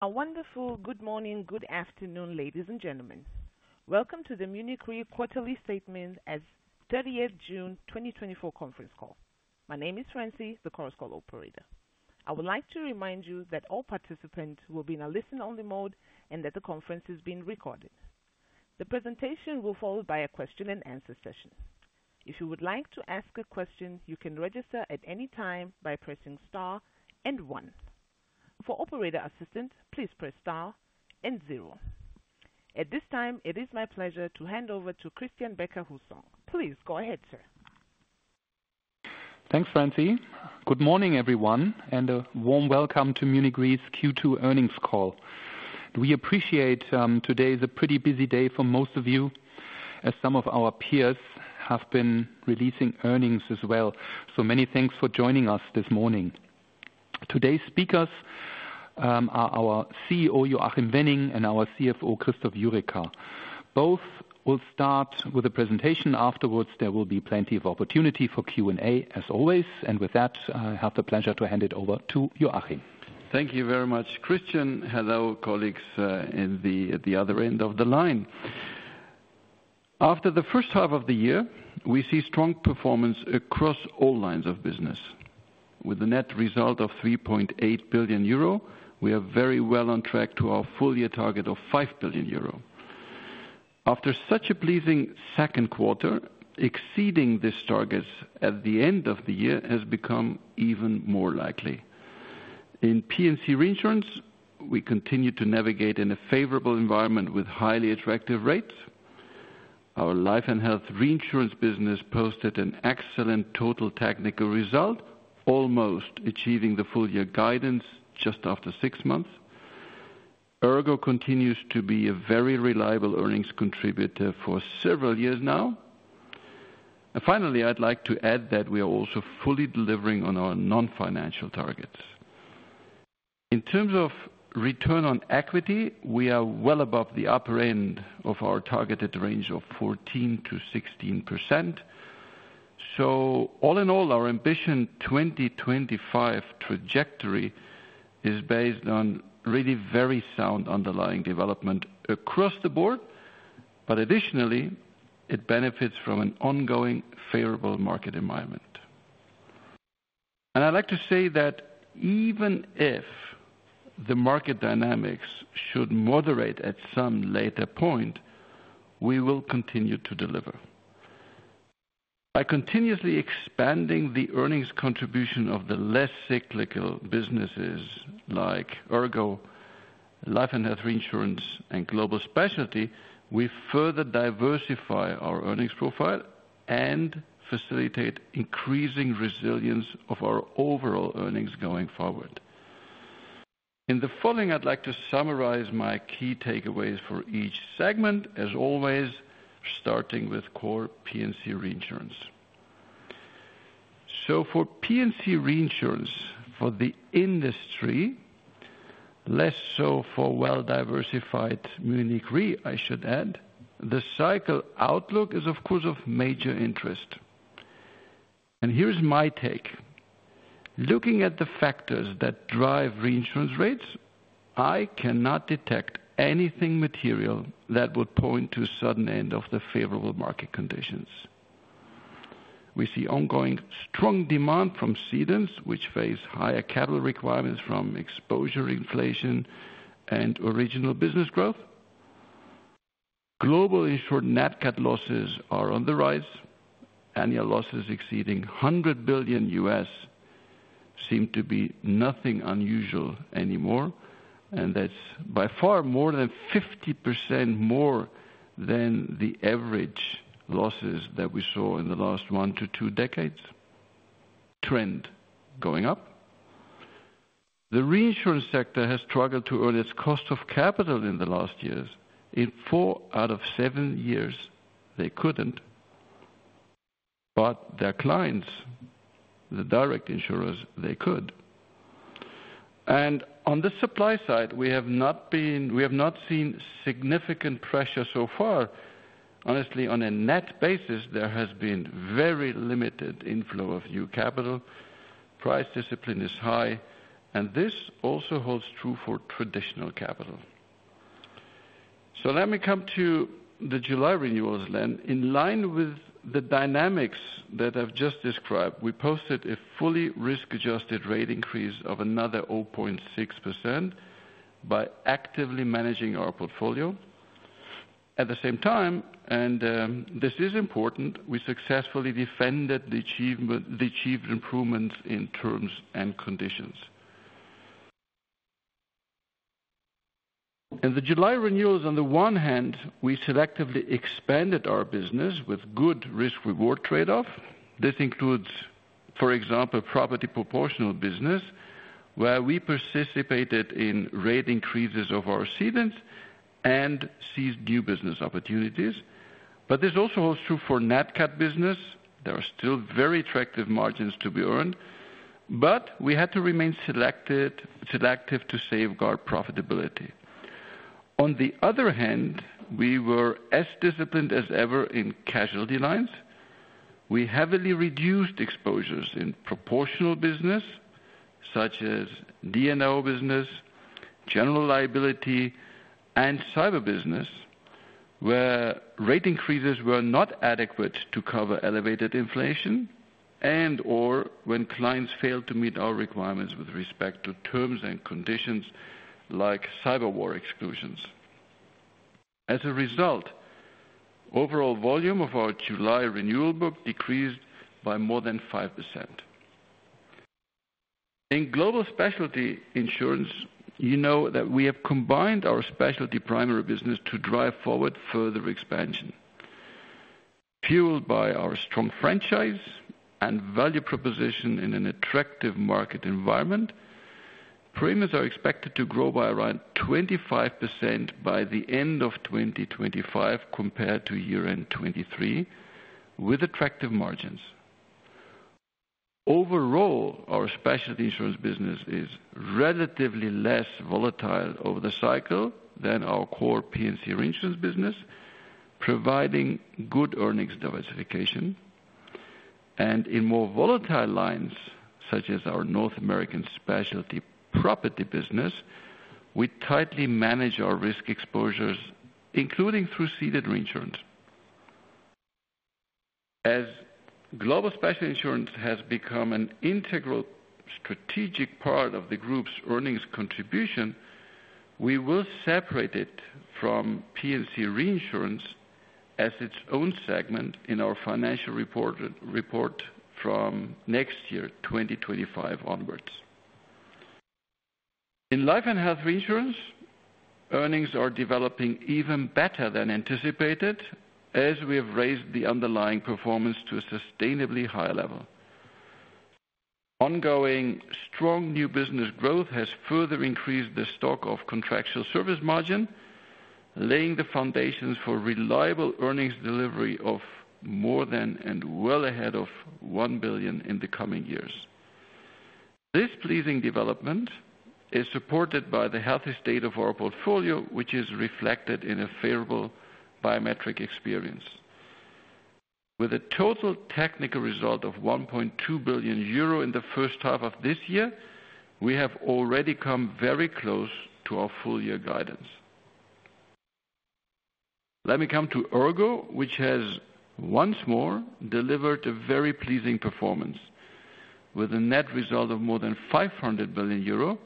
A wonderful good morning, good afternoon, ladies and gentlemen. Welcome to the Munich Re Quarterly Statement as of June 30, 2024 Conference Call. My name is Francie, the conference call operator. I would like to remind you that all participants will be in a listen-only mode and that the conference is being recorded. The presentation will follow by a question and answer session. If you would like to ask a question, you can register at any time by pressing star and one. For operator assistance, please press star and zero. At this time, it is my pleasure to hand over to Christian Becker-Hussong. Please go ahead, sir. Thanks, Francie. Good morning, everyone, and a warm welcome to Munich Re's Q2 earnings call. We appreciate, today is a pretty busy day for most of you, as some of our peers have been releasing earnings as well. So many thanks for joining us this morning. Today's speakers, are our CEO, Joachim Wenning, and our CFO, Christoph Jurecka. Both will start with a presentation. Afterwards, there will be plenty of opportunity for Q&A, as always. And with that, I have the pleasure to hand it over to Joachim. Thank you very much, Christian. Hello, colleagues, at the other end of the line. After the first half of the year, we see strong performance across all lines of business. With a net result of 3.8 billion euro, we are very well on track to our full-year target of 5 billion euro. After such a pleasing second quarter, exceeding this target at the end of the year has become even more likely. In P&C Reinsurance, we continue to navigate in a favorable environment with highly attractive rates. Our Life and Health reinsurance business posted an excellent total technical result, almost achieving the full-year guidance just after six months. ERGO continues to be a very reliable earnings contributor for several years now. And finally, I'd like to add that we are also fully delivering on our non-financial targets. In terms of return on equity, we are well above the upper end of our targeted range of 14%-16%. So all in all, our ambition 2025 trajectory is based on really very sound underlying development across the board, but additionally, it benefits from an ongoing favorable market environment. And I'd like to say that even if the market dynamics should moderate at some later point, we will continue to deliver. By continuously expanding the earnings contribution of the less cyclical businesses like ERGO, Life and Health Reinsurance, and Global Specialty, we further diversify our earnings profile and facilitate increasing resilience of our overall earnings going forward. In the following, I'd like to summarize my key takeaways for each segment, as always, starting with core P&C Reinsurance. So for P&C Reinsurance, for the industry, less so for well-diversified Munich Re, I should add, the cycle outlook is, of course, of major interest. And here's my take. Looking at the factors that drive reinsurance rates, I cannot detect anything material that would point to a sudden end of the favorable market conditions. We see ongoing strong demand from cedants, which face higher capital requirements from exposure, inflation, and original business growth. Global insured Nat Cat losses are on the rise. Annual losses exceeding $100 billion seem to be nothing unusual anymore, and that's by far more than 50% more than the average losses that we saw in the last one to two decades. Trend going up. The reinsurance sector has struggled to earn its cost of capital in the last years. In four out of seven years, they couldn't, but their clients, the direct insurers, they could. On the supply side, we have not seen significant pressure so far. Honestly, on a net basis, there has been very limited inflow of new capital. Price discipline is high, and this also holds true for traditional capital. So let me come to the July renewals then. In line with the dynamics that I've just described, we posted a fully risk-adjusted rate increase of another 0.6% by actively managing our portfolio. At the same time, and this is important, we successfully defended the achievement, the achieved improvements in terms and conditions. In the July renewals, on the one hand, we selectively expanded our business with good risk-reward trade-off. This includes, for example, property proportional business, where we participated in rate increases of our cedants and seized new business opportunities. But this also holds true for Nat Cat business. There are still very attractive margins to be earned, but we had to remain selected, selective to safeguard profitability. On the other hand, we were as disciplined as ever in casualty lines. We heavily reduced exposures in proportional business, such as D&O business, general liability, and cyber business, where rate increases were not adequate to cover elevated inflation and or when clients failed to meet our requirements with respect to terms and conditions like cyber war exclusions. As a result, overall volume of our July renewal book decreased by more than 5%. In Global Specialty Insurance, you know that we have combined our specialty primary business to drive forward further expansion. Fueled by our strong franchise and value proposition in an attractive market environment, premiums are expected to grow by around 25% by the end of 2025 compared to year-end 2023, with attractive margins. Overall, our specialty insurance business is relatively less volatile over the cycle than our core P&C Reinsurance business, providing good earnings diversification. In more volatile lines, such as our North American specialty property business, we tightly manage our risk exposures, including through ceded reinsurance. Global Specialty Insurance has become an integral strategic part of the group's earnings contribution, we will separate it from P&C Reinsurance as its own segment in our financial report, report from next year, 2025 onwards. In Life and Health Reinsurance, earnings are developing even better than anticipated, as we have raised the underlying performance to a sustainably higher level. Ongoing strong new business growth has further increased the stock of contractual service margin, laying the foundations for reliable earnings delivery of more than and well ahead of 1 billion in the coming years. This pleasing development is supported by the healthy state of our portfolio, which is reflected in a favorable biometric experience. With a total technical result of 1.2 billion euro in the first half of this year, we have already come very close to our full year guidance. Let me come to ERGO, which has once more delivered a very pleasing performance. With a net result of more than 500 million euro,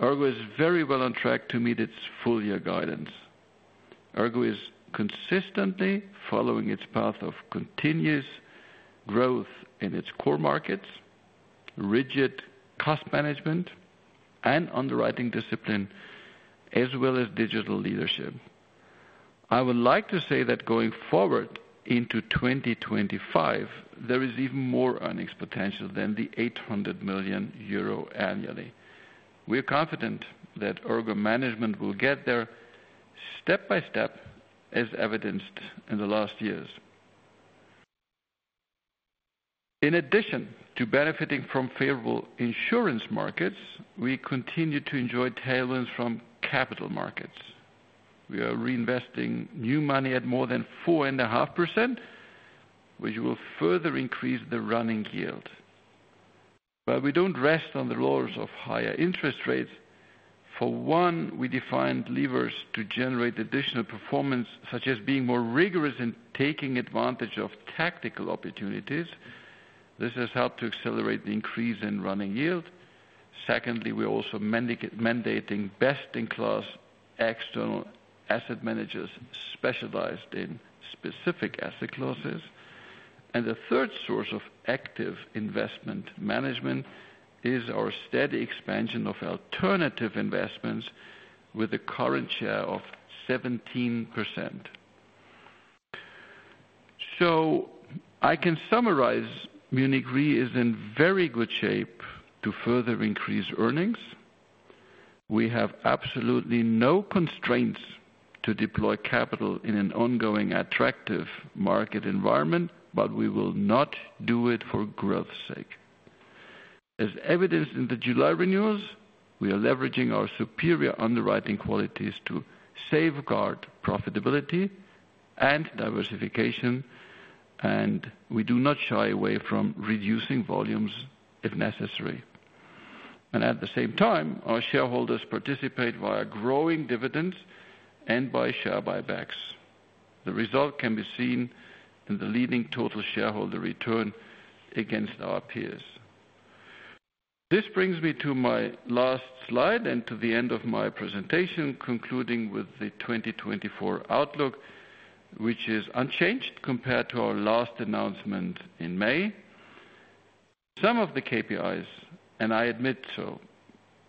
ERGO is very well on track to meet its full year guidance. ERGO is consistently following its path of continuous growth in its core markets, rigid cost management and underwriting discipline, as well as digital leadership. I would like to say that going forward into 2025, there is even more earnings potential than the 800 million euro annually. We are confident that ERGO management will get there step by step, as evidenced in the last years. In addition to benefiting from favorable insurance markets, we continue to enjoy tailwinds from capital markets. We are reinvesting new money at more than 4.5%, which will further increase the running yield. But we don't rest on the laurels of higher interest rates. For one, we defined levers to generate additional performance, such as being more rigorous in taking advantage of tactical opportunities. This has helped to accelerate the increase in running yield. Secondly, we are also mandating best-in-class external asset managers specialized in specific asset classes. The third source of active investment management is our steady expansion of alternative investments with a current share of 17%. I can summarize, Munich Re is in very good shape to further increase earnings. We have absolutely no constraints to deploy capital in an ongoing attractive market environment, but we will not do it for growth sake. As evidenced in the July renewals, we are leveraging our superior underwriting qualities to safeguard profitability and diversification, and we do not shy away from reducing volumes if necessary. At the same time, our shareholders participate via growing dividends and by share buybacks. The result can be seen in the leading total shareholder return against our peers. This brings me to my last slide and to the end of my presentation, concluding with the 2024 outlook, which is unchanged compared to our last announcement in May. Some of the KPIs, and I admit so,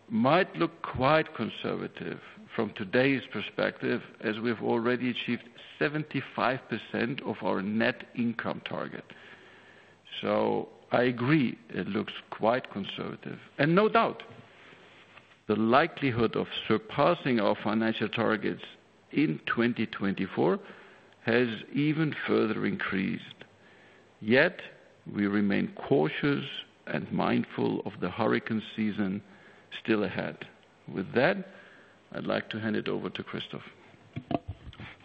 might look quite conservative from today's perspective, as we've already achieved 75% of our net income target. I agree, it looks quite conservative. No doubt, the likelihood of surpassing our financial targets in 2024 has even further increased.... Yet, we remain cautious and mindful of the hurricane season still ahead. With that, I'd like to hand it over to Christoph.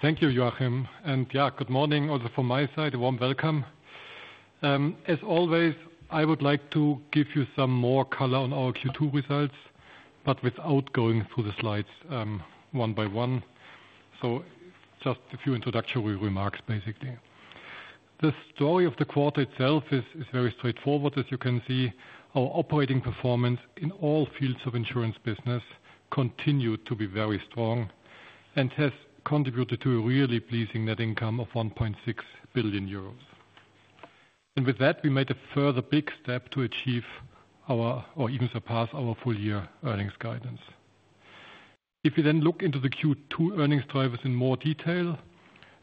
Thank you, Joachim. Yeah, good morning, also from my side, a warm welcome. As always, I would like to give you some more color on our Q2 results, but without going through the slides, one by one. So just a few introductory remarks, basically. The story of the quarter itself is very straightforward. As you can see, our operating performance in all fields of insurance business continued to be very strong and has contributed to a really pleasing net income of 1.6 billion euros. And with that, we made a further big step to achieve our, or even surpass our full year earnings guidance. If you then look into the Q2 earnings drivers in more detail,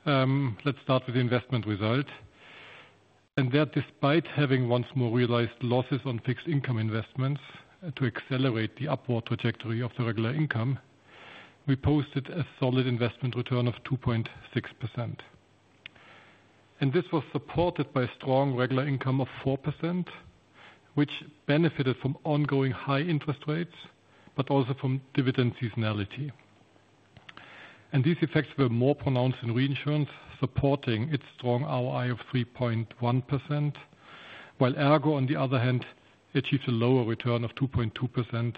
let's start with the investment result. There, despite having once more realized losses on fixed income investments to accelerate the upward trajectory of the regular income, we posted a solid investment return of 2.6%. This was supported by strong regular income of 4%, which benefited from ongoing high interest rates, but also from dividend seasonality. These effects were more pronounced in reinsurance, supporting its strong ROI of 3.1%, while ERGO, on the other hand, achieved a lower return of 2.2%,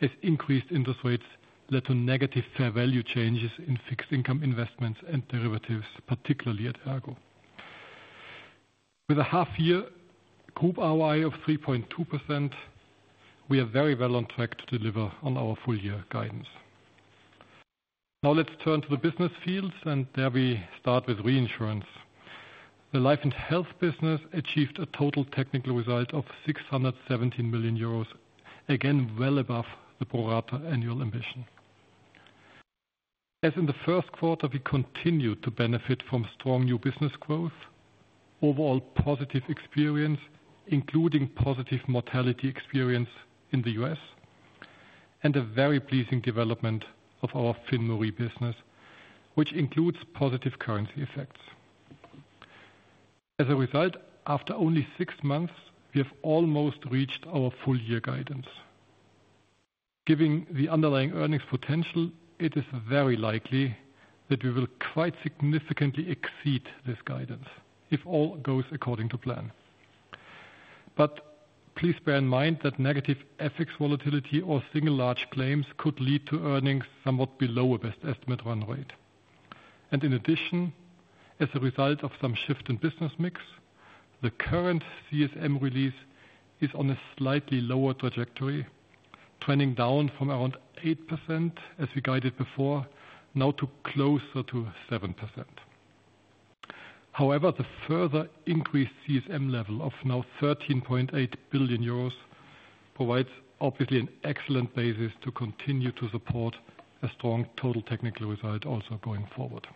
as increased interest rates led to negative fair value changes in fixed income investments and derivatives, particularly at ERGO. With a half-year group ROI of 3.2%, we are very well on track to deliver on our full-year guidance. Now, let's turn to the business fields, and there we start with reinsurance. The Life and Health business achieved a total technical result of 617 million euros, again, well above the pro rata annual ambition. As in the first quarter, we continued to benefit from strong new business growth, overall positive experience, including positive mortality experience in the U.S., and a very pleasing development of our FinRe business, which includes positive currency effects. As a result, after only six months, we have almost reached our full year guidance. Giving the underlying earnings potential, it is very likely that we will quite significantly exceed this guidance, if all goes according to plan. But please bear in mind that negative FX volatility or single large claims could lead to earnings somewhat below a best estimate run rate. In addition, as a result of some shift in business mix, the current CSM release is on a slightly lower trajectory, trending down from around 8%, as we guided before, now to closer to 7%. However, the further increased CSM level of now 13.8 billion euros provides obviously an excellent basis to continue to support a strong total technical result also going forward.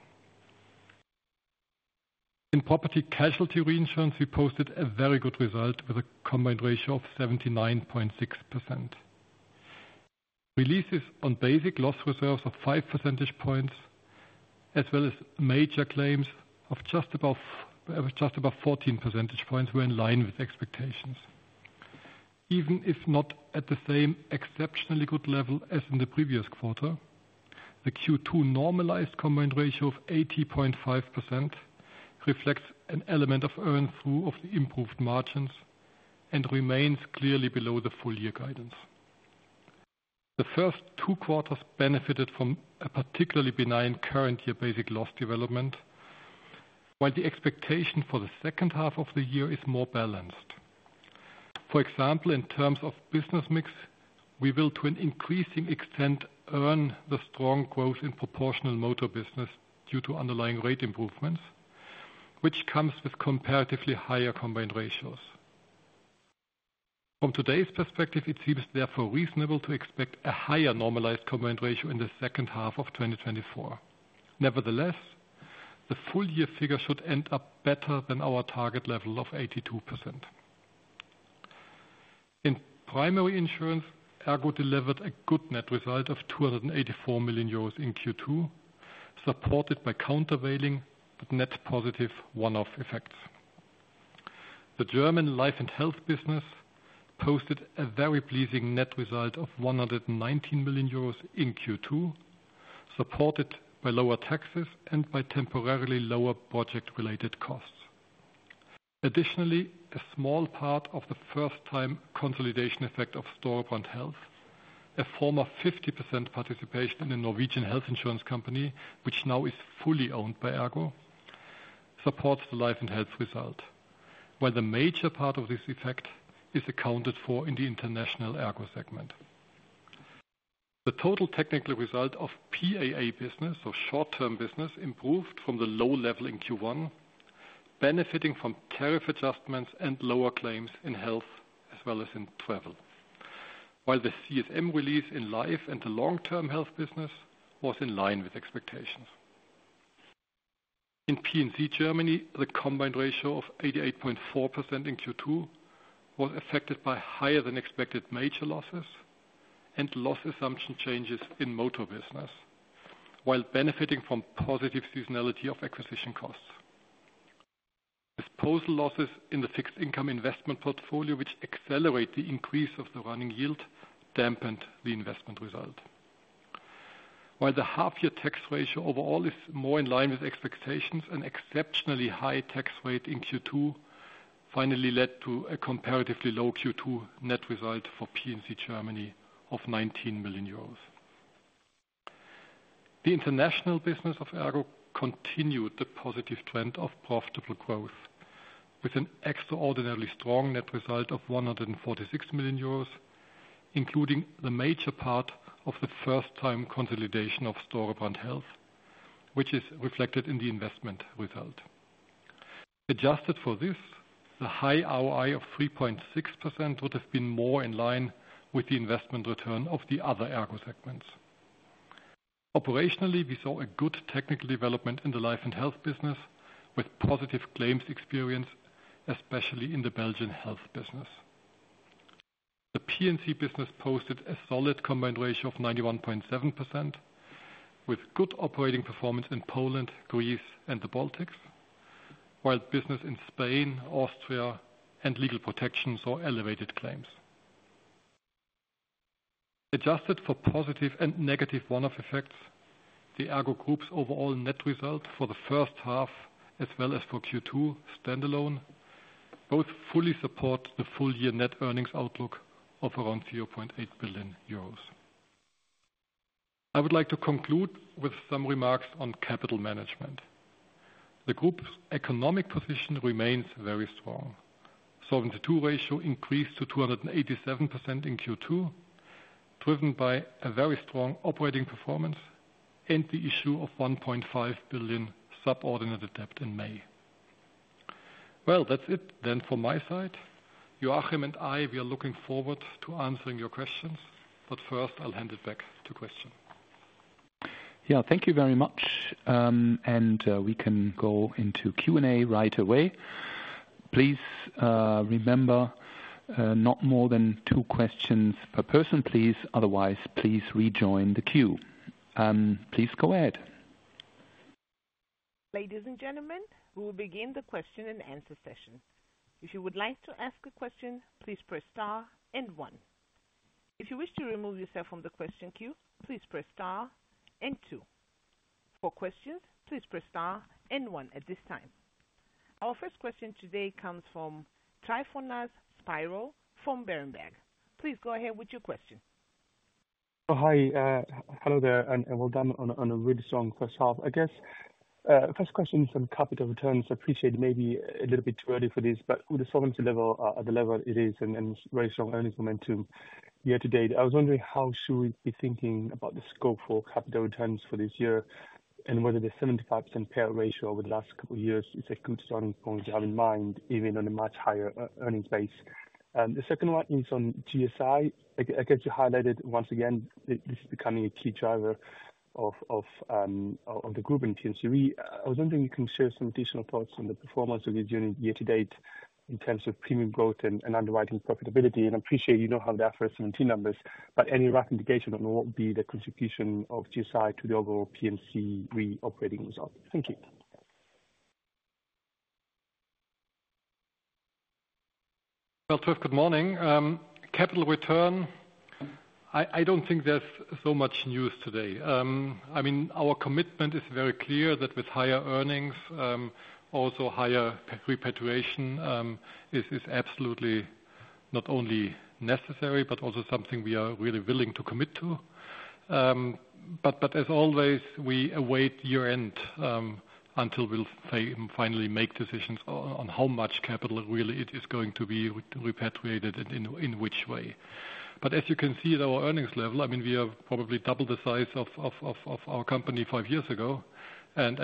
In Property-casualty Reinsurance, we posted a very good result with a combined ratio of 79.6%. Releases on basic loss reserves of 5 percentage points, as well as major claims of just above 14 percentage points, were in line with expectations. Even if not at the same exceptionally good level as in the previous quarter, the Q2 normalized combined ratio of 80.5% reflects an element of earn through of the improved margins and remains clearly below the full year guidance. The first two quarters benefited from a particularly benign current year basic loss development, while the expectation for the second half of the year is more balanced. For example, in terms of business mix, we will, to an increasing extent, earn the strong growth in proportional motor business due to underlying rate improvements, which comes with comparatively higher combined ratios. From today's perspective, it seems therefore reasonable to expect a higher normalized combined ratio in the second half of 2024. Nevertheless, the full year figure should end up better than our target level of 82%. In primary insurance, ERGO delivered a good net result of 284 million euros in Q2, supported by countervailing net positive one-off effects. The German Life and Health business posted a very pleasing net result of 119 million euros in Q2, supported by lower taxes and by temporarily lower project-related costs. Additionally, a small part of the first-time consolidation effect of Storebrand Health, a former 50% participation in a Norwegian health insurance company, which now is fully owned by ERGO, supports the Life and Health result, where the major part of this effect is accounted for in the international ERGO segment. The total technical result of PAA business or short-term business, improved from the low level in Q1, benefiting from tariff adjustments and lower claims in health as well as in travel. While the CSM release in life and the long-term health business was in line with expectations. In P&C Germany, the combined ratio of 88.4% in Q2 was affected by higher than expected major losses and loss assumption changes in motor business, while benefiting from positive seasonality of acquisition costs. Disposal losses in the fixed income investment portfolio, which accelerate the increase of the running yield, dampened the investment result. While the half-year tax ratio overall is more in line with expectations, an exceptionally high tax rate in Q2 finally led to a comparatively low Q2 net result for P&C Germany of 19 million euros. The international business of ERGO continued the positive trend of profitable growth, with an extraordinarily strong net result of 146 million euros, including the major part of the first time consolidation of Storebrand Health, which is reflected in the investment result. Adjusted for this, the high ROI of 3.6% would have been more in line with the investment return of the other ERGO segments. Operationally, we saw a good technical development in the Life and Health business, with positive claims experience, especially in the Belgian health business. The P&C business posted a solid combined ratio of 91.7%, with good operating performance in Poland, Greece, and the Baltics. While business in Spain, Austria, and legal protection saw elevated claims. Adjusted for positive and negative one-off effects, the Munich Re Group's overall net result for the first half, as well as for Q2 standalone, both fully support the full year net earnings outlook of around 0.8 billion euros. I would like to conclude with some remarks on capital management. The Group's economic position remains very strong. Solvency II ratio increased to 287% in Q2, driven by a very strong operating performance and the issue of 1.5 billion subordinated debt in May. Well, that's it then from my side. Joachim and I, we are looking forward to answering your questions, but first I'll hand it back to Francie. Yeah, thank you very much, and we can go into Q&A right away. Please, remember, not more than two questions per person, please. Otherwise, please rejoin the queue. Please go ahead. Ladies and gentlemen, we will begin the question and answer session. If you would like to ask a question, please press star and one. If you wish to remove yourself from the question queue, please press star and two. For questions, please press star and one at this time. Our first question today comes from Tryfonas Spyrou, from Berenberg. Please go ahead with your question. Hello there, and well done on a really strong first half. I guess first question is on capital returns. I appreciate maybe a little bit too early for this, but with the solvency level at the level it is and very strong earnings momentum year-to-date, I was wondering, how should we be thinking about the scope for capital returns for this year? And whether the 75% payout ratio over the last couple of years is a good starting point to have in mind, even on a much higher earning base. The second one is on GSI. I guess you highlighted once again, this is becoming a key driver of the group in P&C Re. I was wondering if you can share some additional thoughts on the performance of the unit year-to-date in terms of premium growth and underwriting profitability. I appreciate you don't have the IFRS 17 numbers, but any rough indication on what would be the contribution of GSI to the overall P&C Re operating result? Thank you. Well, first, good morning. Capital return, I don't think there's so much news today. I mean, our commitment is very clear that with higher earnings, also higher repatriation is absolutely not only necessary, but also something we are really willing to commit to. But as always, we await year-end until we'll say, finally make decisions on how much capital really it is going to be repatriated and in which way. But as you can see at our earnings level, I mean, we have probably doubled the size of our company five years ago. And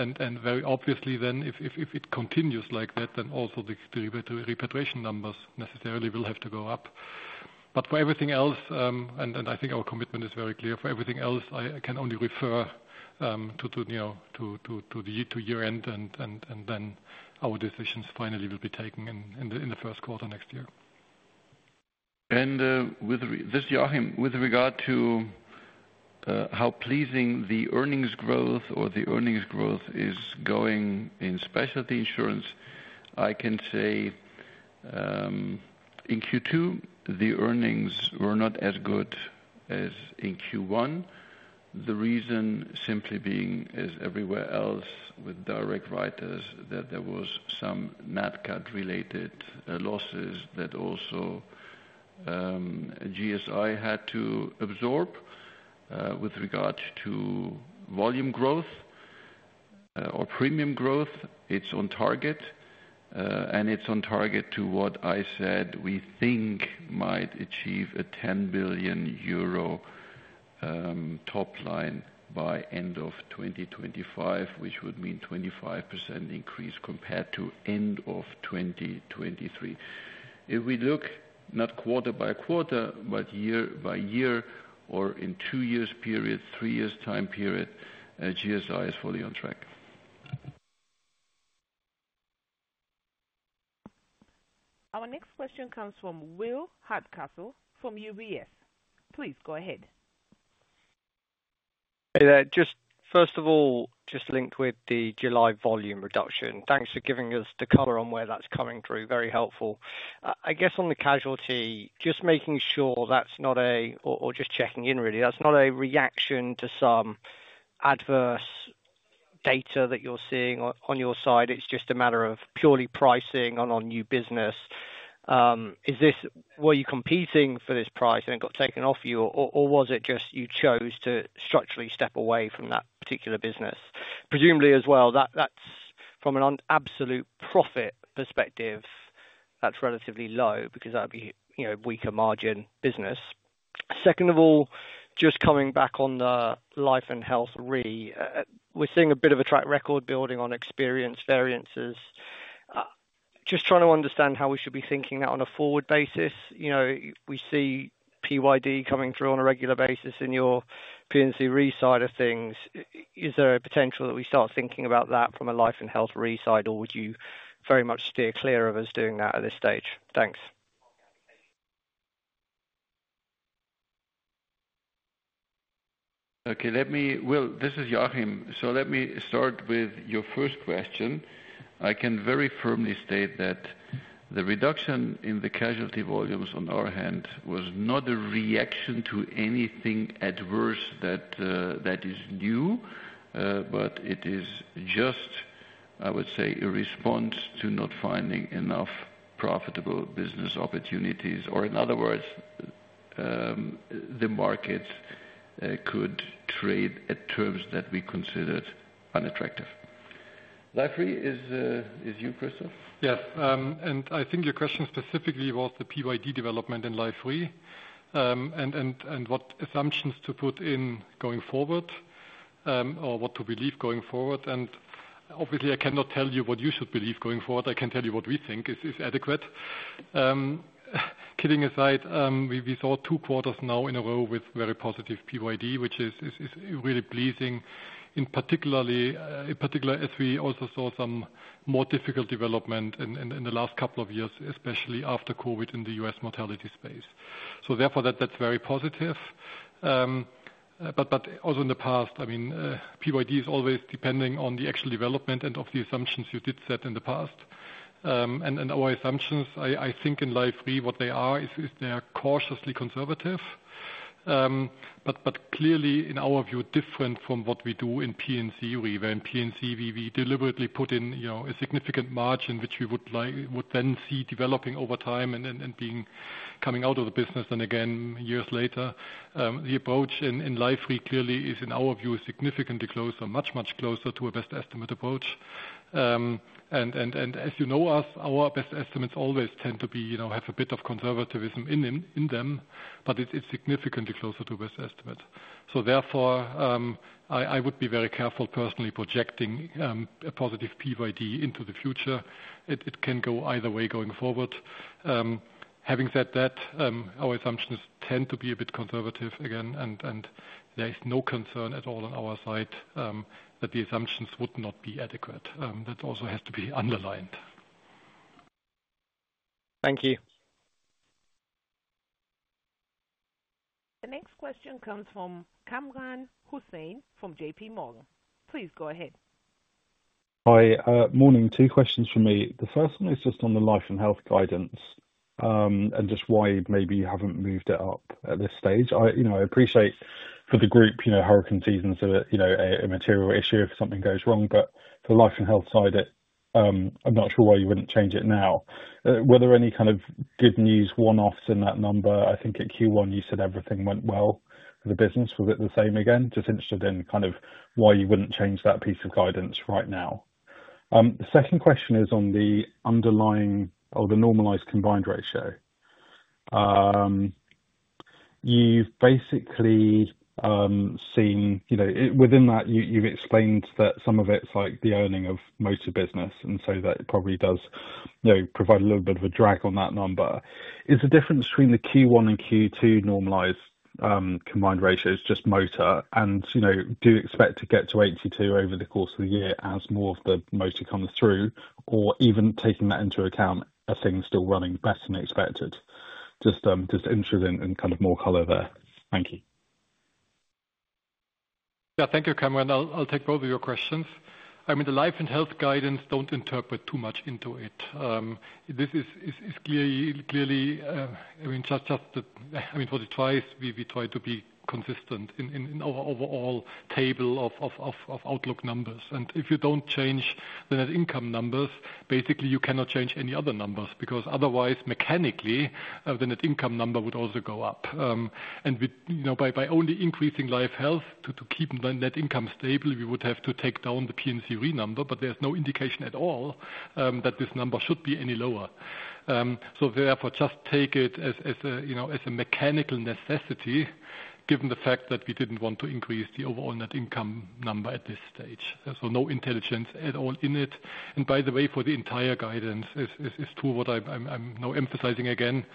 very obviously then, if it continues like that, then also the repatriation numbers necessarily will have to go up. But for everything else, and I think our commitment is very clear. For everything else, I can only refer to, you know, to the year-end, and then our decisions finally will be taken in the first quarter next year. This is Joachim. With regard to how pleasing the earnings growth or the earnings growth is going in specialty insurance, I can say, in Q2, the earnings were not as good as in Q1. The reason simply being, as everywhere else with direct writers, that there was some Nat Cat-related losses that also GSI had to absorb. With regard to volume growth or premium growth, it's on target, and it's on target to what I said we think might achieve 10 billion euro top line by end of 2025, which would mean 25% increase compared to end of 2023. If we look not quarter by quarter, but year by year or in two years period, three years time period, GSI is fully on track. Our next question comes from Will Hardcastle from UBS. Please go ahead. Hey there. Just first of all, just link with the July volume reduction. Thanks for giving us the color on where that's coming through. Very helpful. I guess on the casualty, just making sure that's not a reaction to some adverse data that you're seeing on your side. It's just a matter of purely pricing on new business. Is this—were you competing for this price and it got taken off you, or was it just you chose to structurally step away from that particular business? Presumably as well, that's from an absolute profit perspective, that's relatively low because that'd be, you know, weaker margin business. Second of all, just coming back on the Life and Health, really. We're seeing a bit of a track record building on experience variances. Just trying to understand how we should be thinking that on a forward basis. You know, we see PYD coming through on a regular basis in your P&C Re side of things. Is there a potential that we start thinking about that from a Life and Health re side, or would you very much steer clear of us doing that at this stage? Thanks. Okay, let me, Will, this is Joachim. So let me start with your first question. I can very firmly state that the reduction in the casualty volumes on our hand was not a reaction to anything adverse that that is new, but it is just, I would say, a response to not finding enough profitable business opportunities. Or in other words, the market could trade at terms that we considered unattractive. Life re is you, Christoph? Yes, and I think your question specifically was the PYD development in Life Re. And what assumptions to put in going forward, or what to believe going forward. And obviously, I cannot tell you what you should believe going forward. I can tell you what we think is adequate. Kidding aside, we saw two quarters now in a row with very positive PYD, which is really pleasing, in particular, as we also saw some more difficult development in the last couple of years, especially after COVID in the U.S. mortality space. So therefore, that's very positive. But also in the past, I mean, PYD is always depending on the actual development and of the assumptions you did set in the past. And our assumptions, I think in Life Re, what they are, is they are cautiously conservative. But clearly, in our view, different from what we do in P&C Re. When P&C Re, we deliberately put in, you know, a significant margin, which we would like, would then see developing over time and, and, and being, coming out of the business and again, years later. The approach in Life re clearly is, in our view, is significantly closer, much, much closer to a best estimate approach. And as you know us, our best estimates always tend to be, you know, have a bit of conservativism in them, in them, but it's significantly closer to best estimate. So therefore, I would be very careful personally projecting a positive PYD into the future. It can go either way going forward. Having said that, our assumptions tend to be a bit conservative again, and there is no concern at all on our side that the assumptions would not be adequate. That also has to be underlined. Thank you. The next question comes from Kamran Hossain from JPMorgan. Please go ahead. Hi, morning. Two questions from me. The first one is just on the Life and Health guidance, and just why maybe you haven't moved it up at this stage. I, you know, I appreciate for the group, you know, hurricane season, so, you know, a, a material issue if something goes wrong, but for the Life and Health side, it, I'm not sure why you wouldn't change it now. Were there any kind of good news one-offs in that number? I think at Q1, you said everything went well for the business. Was it the same again? Just interested in kind of why you wouldn't change that piece of guidance right now. The second question is on the underlying or the normalized combined ratio. You've basically seen, you know, within that, you've explained that some of it's like the earning of motor business, and so that it probably does, you know, provide a little bit of a drag on that number. Is the difference between the Q1 and Q2 normalized combined ratios just motor? And, you know, do you expect to get to 82% over the course of the year as more of the motor comes through, or even taking that into account, are things still running better than expected? Just, just interested in kind of more color there. Thank you. Yeah. Thank you, Kamran. I'll take both of your questions. I mean, the Life and Health guidance, don't interpret too much into it. This is clearly, I mean, just, I mean, for the twice, we try to be consistent in our overall table of outlook numbers. And if you don't change the net income numbers, basically you cannot change any other numbers, because otherwise, mechanically, the net income number would also go up. And we, you know, by only increasing life health to keep the net income stable, we would have to take down the P&C Re number, but there's no indication at all that this number should be any lower. So therefore, just take it as a, you know, as a mechanical necessity, given the fact that we didn't want to increase the overall net income number at this stage. So no intelligence at all in it. And by the way, for the entire guidance, it's true what I'm now emphasizing again,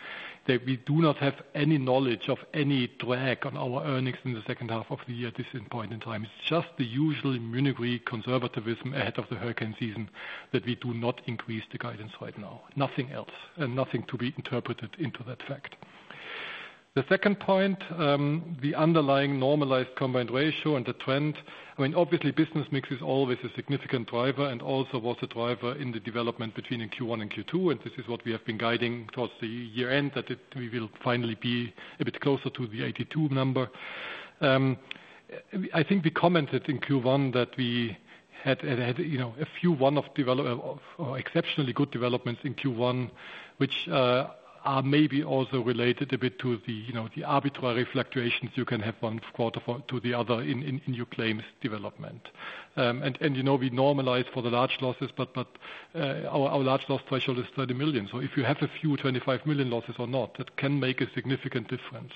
that we do not have any knowledge of any drag on our earnings in the second half of the year at this point in time. It's just the usual Munich re conservatism ahead of the hurricane season that we do not increase the guidance right now, nothing else, and nothing to be interpreted into that fact. The second point, the underlying normalized combined ratio and the trend, I mean, obviously, business mix is always a significant driver and also was a driver in the development between Q1 and Q2, and this is what we have been guiding towards the year-end, that it we will finally be a bit closer to the 82% number. I think we commented in Q1 that we had, you know, a few one-off exceptionally good developments in Q1, which are maybe also related a bit to the, you know, the arbitrary fluctuations you can have one quarter to the other in new claims development. And, you know, we normalize for the large losses, but our large loss threshold is 30 million. So if you have a few 25 million losses or not, that can make a significant difference.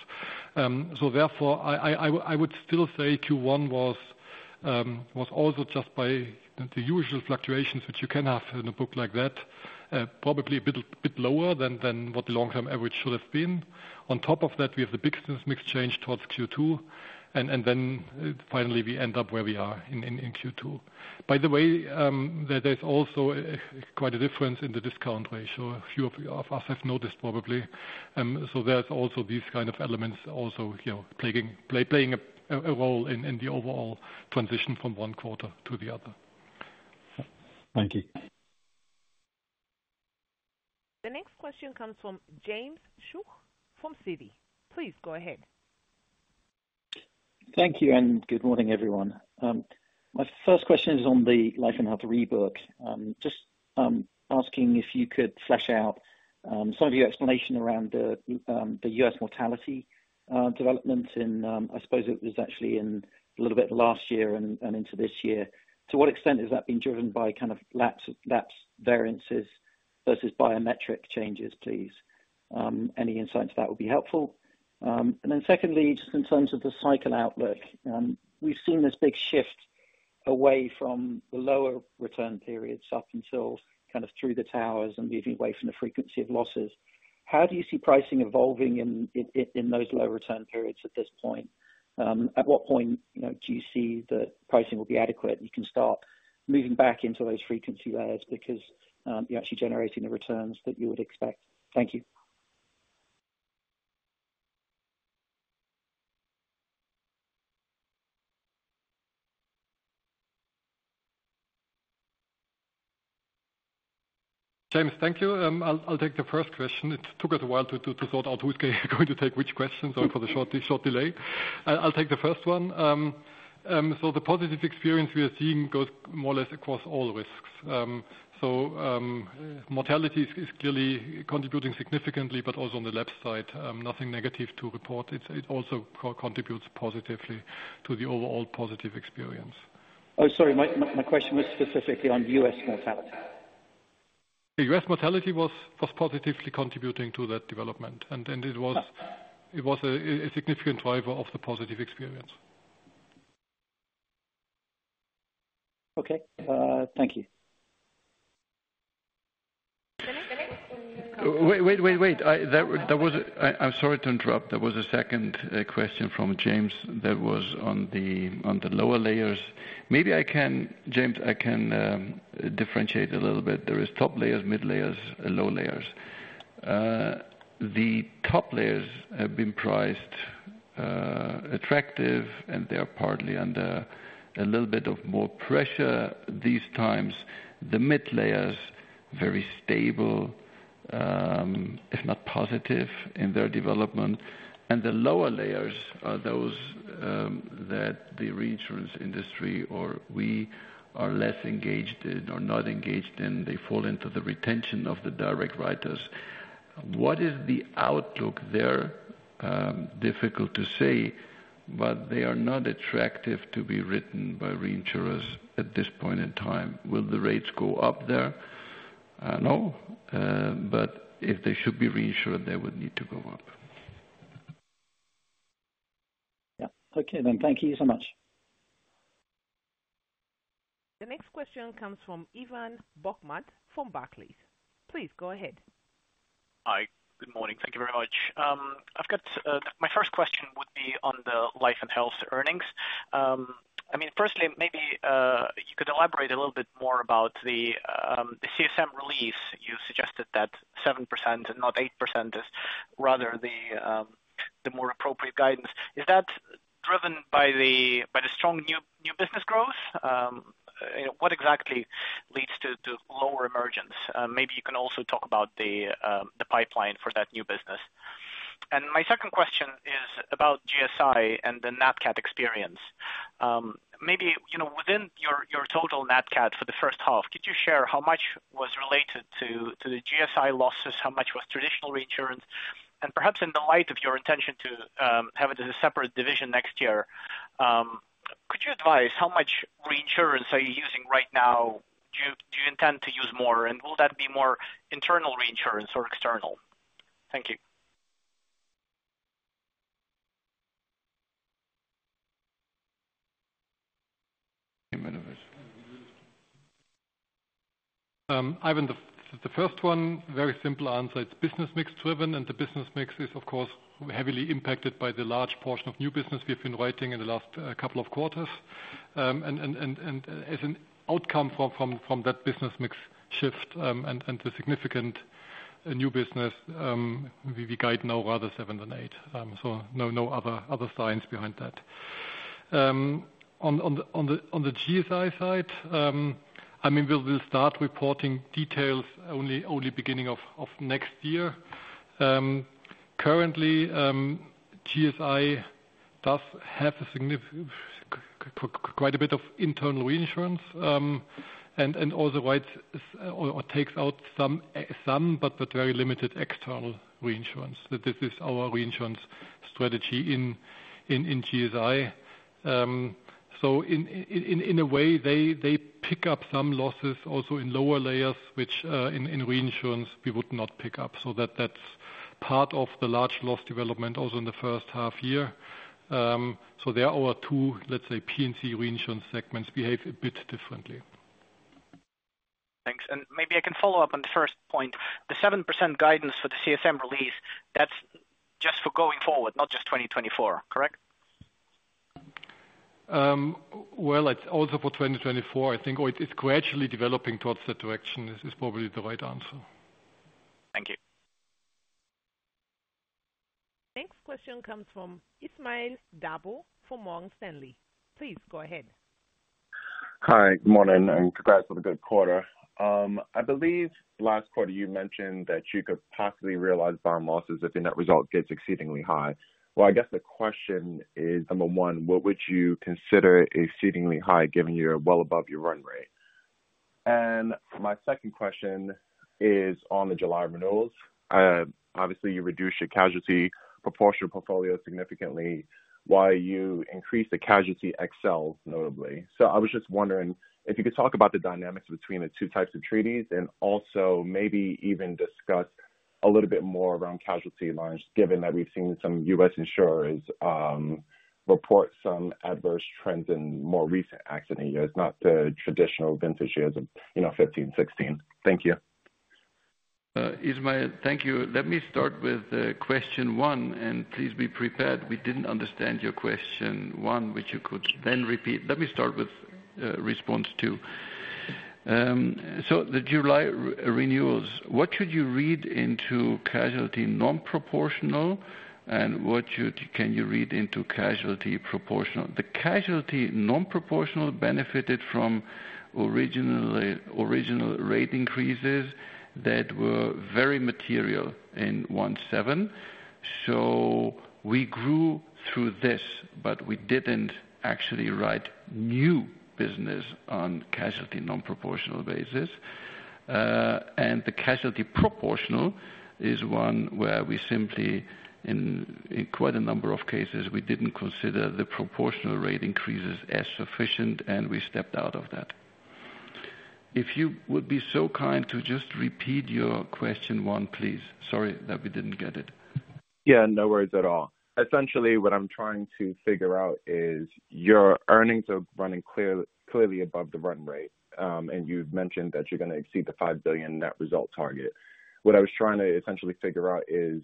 So therefore, I would still say Q1 was also just by the usual fluctuations that you can have in a book like that, probably a bit lower than what the long-term average should have been. On top of that, we have the big business mix change towards Q2, and then finally, we end up where we are in Q2. By the way, there's also quite a difference in the discount ratio. A few of you, of us have noticed probably. So there's also these kind of elements also, you know, playing a role in the overall transition from one quarter to the other. Thank you. The next question comes from James Shuck from Citi. Please go ahead. Thank you, and good morning, everyone. My first question is on the Life and Health re book. Just asking if you could flesh out some of your explanation around the U.S. mortality development in I suppose it was actually in a little bit last year and into this year. To what extent has that been driven by kind of lapse variances versus biometric changes, please? Any insights to that would be helpful. And then secondly, just in terms of the cycle outlook, we've seen this big shift away from the lower return periods up until kind of through the towers and moving away from the frequency of losses. How do you see pricing evolving in those low return periods at this point? At what point, you know, do you see that pricing will be adequate, and you can start moving back into those frequency layers because you're actually generating the returns that you would expect? Thank you. James, thank you. I'll take the first question. It took us a while to sort out who is going to take which question, so for the short delay. I'll take the first one. So the positive experience we are seeing goes more or less across all the risks. So mortality is clearly contributing significantly, but also on the left side, nothing negative to report. It also contributes positively to the overall positive experience. Oh, sorry, my question was specifically on U.S. mortality. The U.S. mortality was positively contributing to that development, and it was- Got it. It was a significant driver of the positive experience. Okay, thank you. The next question comes- Wait, wait, wait, wait. I'm sorry to interrupt. There was a second question from James that was on the lower layers. Maybe I can, James, I can differentiate a little bit. There is top layers, mid layers and low layers. The top layers have been priced attractive, and they are partly under a little bit of more pressure these times. The mid layers, very stable, if not positive, in their development, and the lower layers are those that the reinsurance industry or we are less engaged in or not engaged in. They fall into the retention of the direct writers. What is the outlook there? Difficult to say, but they are not attractive to be written by reinsurers at this point in time. Will the rates go up there? No. But if they should be reinsured, they would need to go up. Yeah. Okay, then. Thank you so much. The next question comes from Ivan Bokhmat from Barclays. Please go ahead. Hi. Good morning. Thank you very much. I've got my first question would be on the Life and Health earnings. I mean, firstly, maybe you could elaborate a little bit more about the CSM release. You suggested that 7% and not 8% is rather the more appropriate guidance. Is that driven by the strong new business growth? What exactly leads to lower emergence? Maybe you can also talk about the pipeline for that new business. And my second question is about GSI and the Nat Cat experience. Maybe, you know, within your total Nat Cat for the first half, could you share how much was related to the GSI losses? How much was traditional reinsurance? Perhaps in the light of your intention to have it as a separate division next year, could you advise how much reinsurance are you using right now? Do you intend to use more, and will that be more internal reinsurance or external? Thank you. Ivan, the first one, very simple answer, it's business mix driven, and the business mix is, of course, heavily impacted by the large portion of new business we've been writing in the last couple of quarters. And as an outcome from that business mix shift, and the significant new business, we guide now rather 7% than 8%. So no other science behind that. On the GSI side, I mean, we'll start reporting details only beginning of next year. Currently, GSI does have quite a bit of internal reinsurance, and also writes or takes out some but very limited external reinsurance. That this is our reinsurance strategy in GSI. So in a way, they pick up some losses also in lower layers, which in reinsurance, we would not pick up. So that's part of the large loss development also in the first half year. So there are our two, let's say, P&C Reinsurance segments behave a bit differently. Thanks. And maybe I can follow up on the first point. The 7% guidance for the CSM release, that's just for going forward, not just 2024, correct? Well, it's also for 2024. I think it's gradually developing towards that direction, is probably the right answer. Thank you. Next question comes from Ismael Dabo, from Morgan Stanley. Please go ahead. Hi, good morning, and congrats on the good quarter. I believe last quarter you mentioned that you could possibly realize bond losses if the net result gets exceedingly high. Well, I guess the question is, number one, what would you consider exceedingly high, given you're well above your run rate? And my second question is on the July renewals. Obviously, you reduced your casualty proportional portfolio significantly while you increased the casualty XL, notably. So I was just wondering if you could talk about the dynamics between the two types of treaties, and also maybe even discuss a little bit more around casualty lines, given that we've seen some U.S. insurers report some adverse trends in more recent accident years, not the traditional vintage years of, you know, 2015, 2016. Thank you. Ismael, thank you. Let me start with question one, and please be prepared. We didn't understand your question one, which you could then repeat. Let me start with response two. So the July re-renewals, what should you read into casualty non-proportional, and what should-- can you read into casualty proportional? The casualty non-proportional benefited from original rate increases that were very material in 1/7. So we grew through this, but we didn't actually write new business on casualty non-proportional basis. And the casualty proportional is one where we simply, in quite a number of cases, we didn't consider the proportional rate increases as sufficient, and we stepped out of that. If you would be so kind to just repeat your question one, please. Sorry that we didn't get it. Yeah, no worries at all. Essentially, what I'm trying to figure out is your earnings are running clearly above the run rate, and you've mentioned that you're going to exceed the 5 billion net result target. What I was trying to essentially figure out is,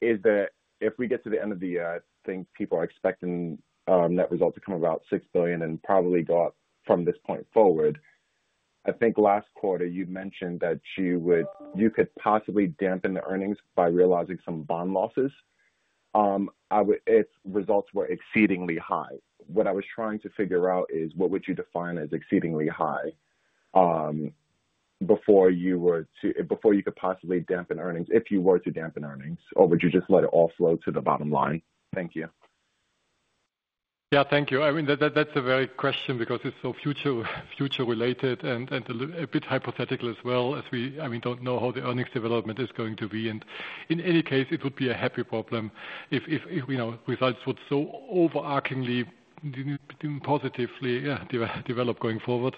if we get to the end of the year, I think people are expecting net results to come about 6 billion and probably go up from this point forward. I think last quarter you mentioned that you could possibly dampen the earnings by realizing some bond losses, if results were exceedingly high. What I was trying to figure out is what would you define as exceedingly high, before you were to... Before you could possibly dampen earnings, if you were to dampen earnings, or would you just let it all flow to the bottom line? Thank you. Yeah, thank you. I mean, that's a very question because it's so future related and a little bit hypothetical as well, as we, I mean, don't know how the earnings development is going to be. And in any case, it would be a happy problem if, you know, results would so overarchingly positively, yeah, develop going forward.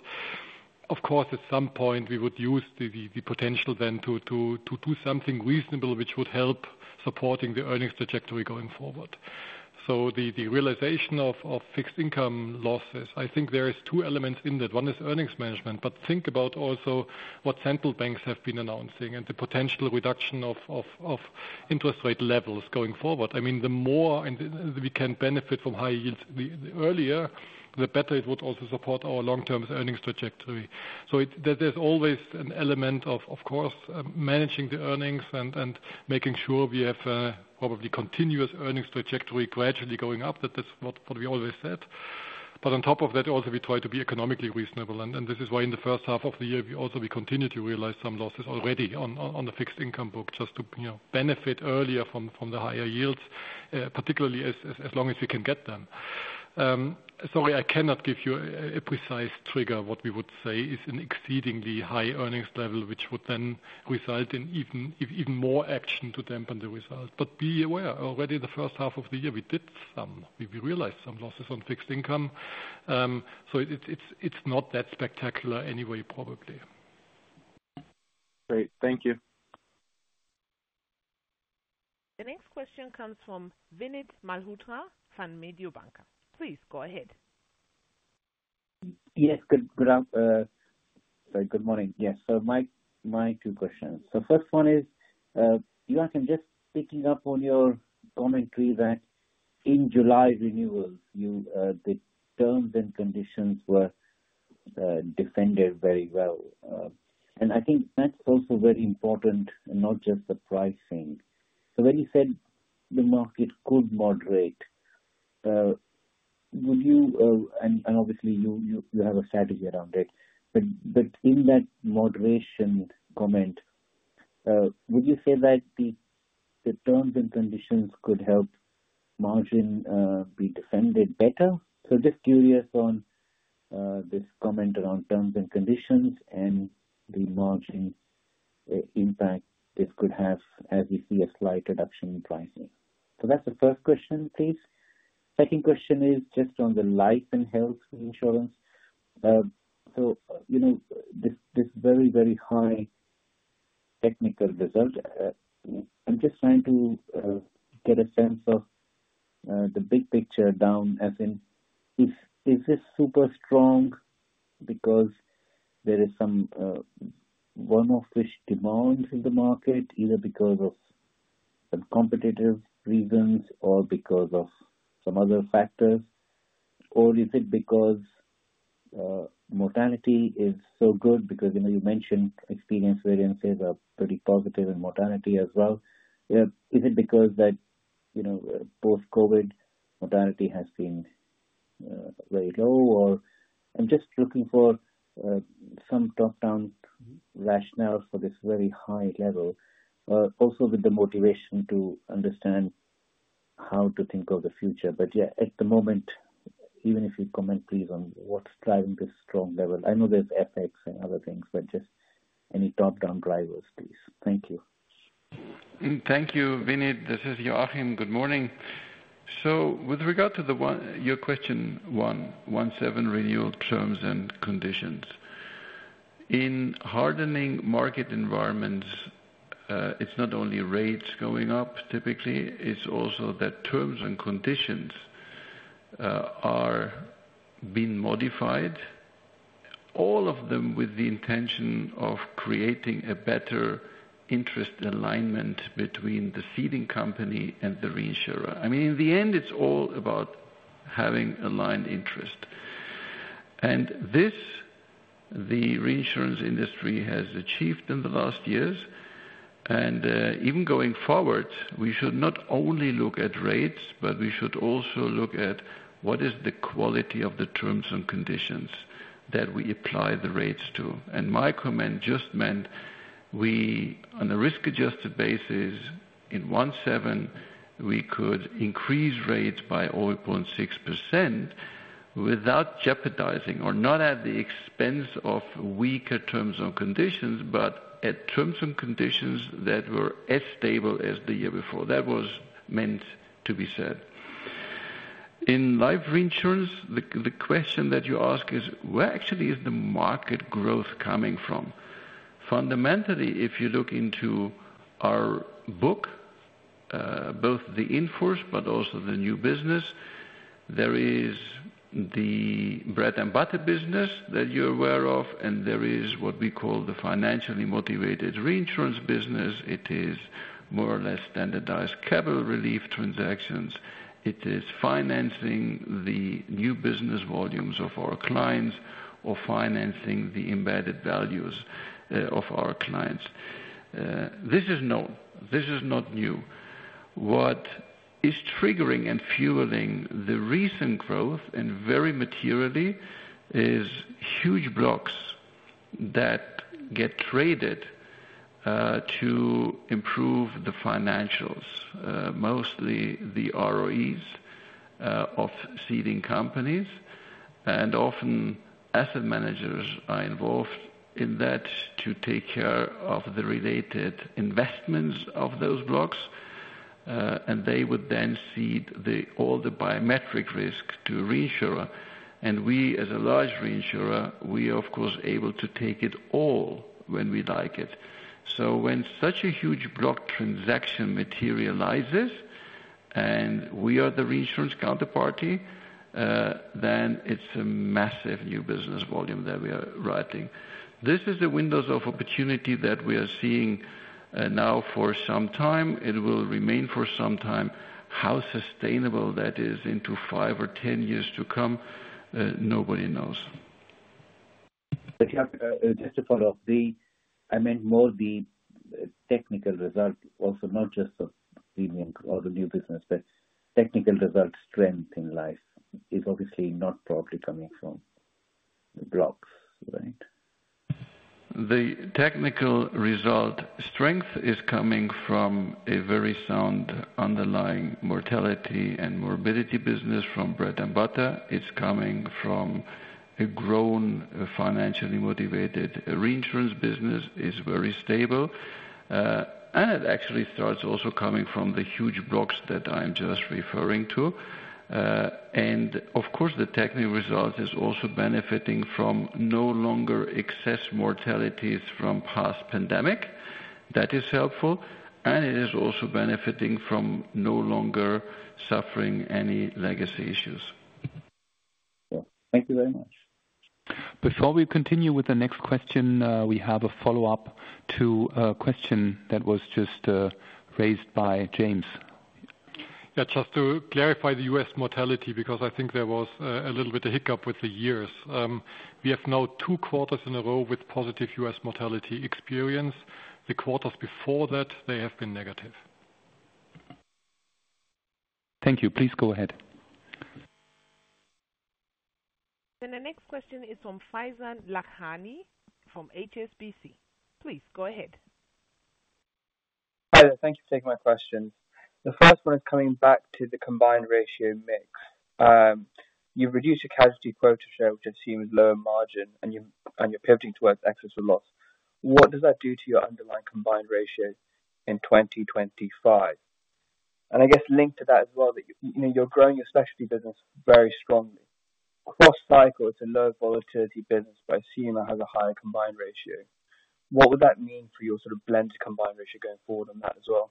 Of course, at some point, we would use the potential then to do something reasonable, which would help supporting the earnings trajectory going forward. So the realization of fixed income losses, I think there is two elements in that. One is earnings management, but think about also what central banks have been announcing and the potential reduction of interest rate levels going forward. I mean, the more we can benefit from high yields, the earlier the better. It would also support our long-term earnings trajectory. So it... There's always an element of course, managing the earnings and making sure we have probably continuous earnings trajectory gradually going up. That's not what we always said. But on top of that, also, we try to be economically reasonable, and this is why in the first half of the year, we also continued to realize some losses already on the fixed income book, just to, you know, benefit earlier from the higher yields, particularly as long as we can get them. Sorry, I cannot give you a precise trigger. What we would say is an exceedingly high earnings level, which would then result in even more action to dampen the results. But be aware, already in the first half of the year, we realized some losses on fixed income. So it's not that spectacular anyway, probably. Great. Thank you. The next question comes from Vinit Malhotra from Mediobanca. Please go ahead. Good morning. Yes, so my two questions. The first one is, Joachim, just picking up on your commentary that in July renewals, the terms and conditions were defended very well. And I think that's also very important, and not just the pricing. So when you said the market could moderate, and obviously you hav```e a strategy around it, but in that moderation comment, would yo`u say that the terms and conditions could help margin be defended better? So just curious on this comment around terms and conditions and the margin impact this could have as we see a slight reduction in pricing. So that's the first question, please. Second question is just on the Life and Health insurance. So, you know, this very, very high technical result, I'm just trying to get a sense of the big picture down, as in, is it super strong because there is some one-off effects in the market, either because of some competitive reasons or because of some other factors? Or is it because mortality is so good? Because, you know, you mentioned experience variances are pretty positive in mortality as well. Is it because, you know, post-COVID mortality has been very low, or...? I'm just looking for some top-down rationale for this very high level, also with the motivation to understand how to think of the future. But, yeah, at the moment, even if you comment, please, on what's driving this strong level. I know there's FX and other things, but just any top-down drivers, please. Thank you. Thank you, Vinit. This is Joachim. Good morning. So with regard to your question on 1/7, renewal terms and conditions. In hardening market environments, it's not only rates going up, typically, it's also that terms and conditions are being modified, all of them with the intention of creating a better interest alignment between the ceding company and the reinsurer. I mean, in the end, it's all about having aligned interest. And this, the reinsurance industry has achieved in the last years, and even going forward, we should not only look at rates, but we should also look at what is the quality of the terms and conditions that we apply the rates to. My comment just meant we, on a risk-adjusted basis, in 2017, we could increase rates by 0.6% without jeopardizing or not at the expense of weaker terms and conditions, but at terms and conditions that were as stable as the year before. That was meant to be said. In Life Reinsurance, the question that you ask is: where actually is the market growth coming from? Fundamentally, if you look into our book, both the in-force but also the new business, there is the bread and butter business that you're aware of, and there is what we call the financially motivated reinsurance business. It is more or less standardized capital relief transactions. It is financing the new business volumes of our clients or financing the embedded values of our clients. This is known. This is not new. What is triggering and fueling the recent growth, and very materially, is huge blocks that get traded to improve the financials, mostly the ROEs, of ceding companies, and often asset managers are involved in that to take care of the related investments of those blocks. And they would then cede all the biometric risk to a reinsurer, and we, as a large reinsurer, we are, of course, able to take it all when we like it. So when such a huge block transaction materializes and we are the reinsurance counterparty, then it's a massive new business volume that we are writing. This is the windows of opportunity that we are seeing now for some time. It will remain for some time. How sustainable that is into five or 10 years to come, nobody knows. But, just to follow up, I meant more the technical result also, not just of premium or the new business, but technical result strength in Life is obviously not probably coming from the blocks, right? The technical result strength is coming from a very sound underlying mortality and morbidity business from bread and butter. It's coming from a grown, financially motivated reinsurance business, is very stable, and it actually starts also coming from the huge blocks that I'm just referring to. And of course, the technical result is also benefiting from no longer excess mortality from past pandemic. That is helpful, and it is also benefiting from no longer suffering any legacy issues. Thank you very much. Before we continue with the next question, we have a follow-up to a question that was just raised by James. Yeah, just to clarify the U.S. mortality, because I think there was a little bit of hiccup with the years. We have now two quarters in a row with positive U.S. mortality experience. The quarters before that, they have been negative. Thank you. Please go ahead. The next question is from Faizan Lakhani from HSBC. Please go ahead. Hi there. Thank you for taking my question. The first one is coming back to the combined ratio mix. You've reduced your casualty quota share, which assumes lower margin, and you, and you're pivoting towards excess of loss. What does that do to your underlying combined ratio in 2025? And I guess linked to that as well, that, you, you know, you're growing your specialty business very strongly. Cross cycle, it's a low volatility business, but I see you now have a higher combined ratio. What would that mean for your sort of blended combined ratio going forward on that as well?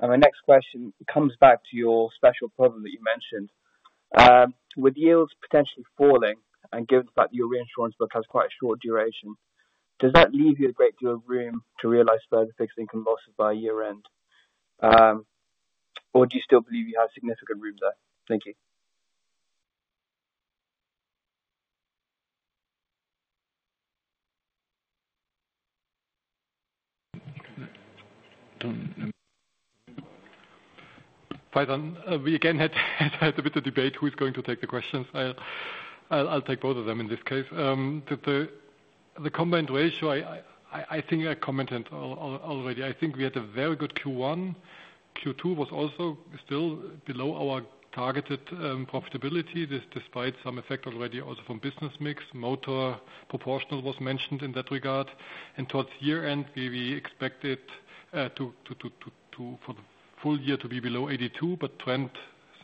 And my next question comes back to your special problem that you mentioned. With yields potentially falling, and given the fact that your reinsurance book has quite a short duration, does that leave you a great deal of room to realize further fixed income losses by year-end? Or do you still believe you have significant room there? Thank you. Faizan, we again had had a bit of debate who is going to take the questions. I'll take both of them in this case. The combined ratio, I think I commented on already. I think we had a very good Q1. Q2 was also still below our targeted profitability, this despite some effect already also from business mix. Motor proportional was mentioned in that regard. And towards year-end, we expect it for the full year to be below 82%, but trend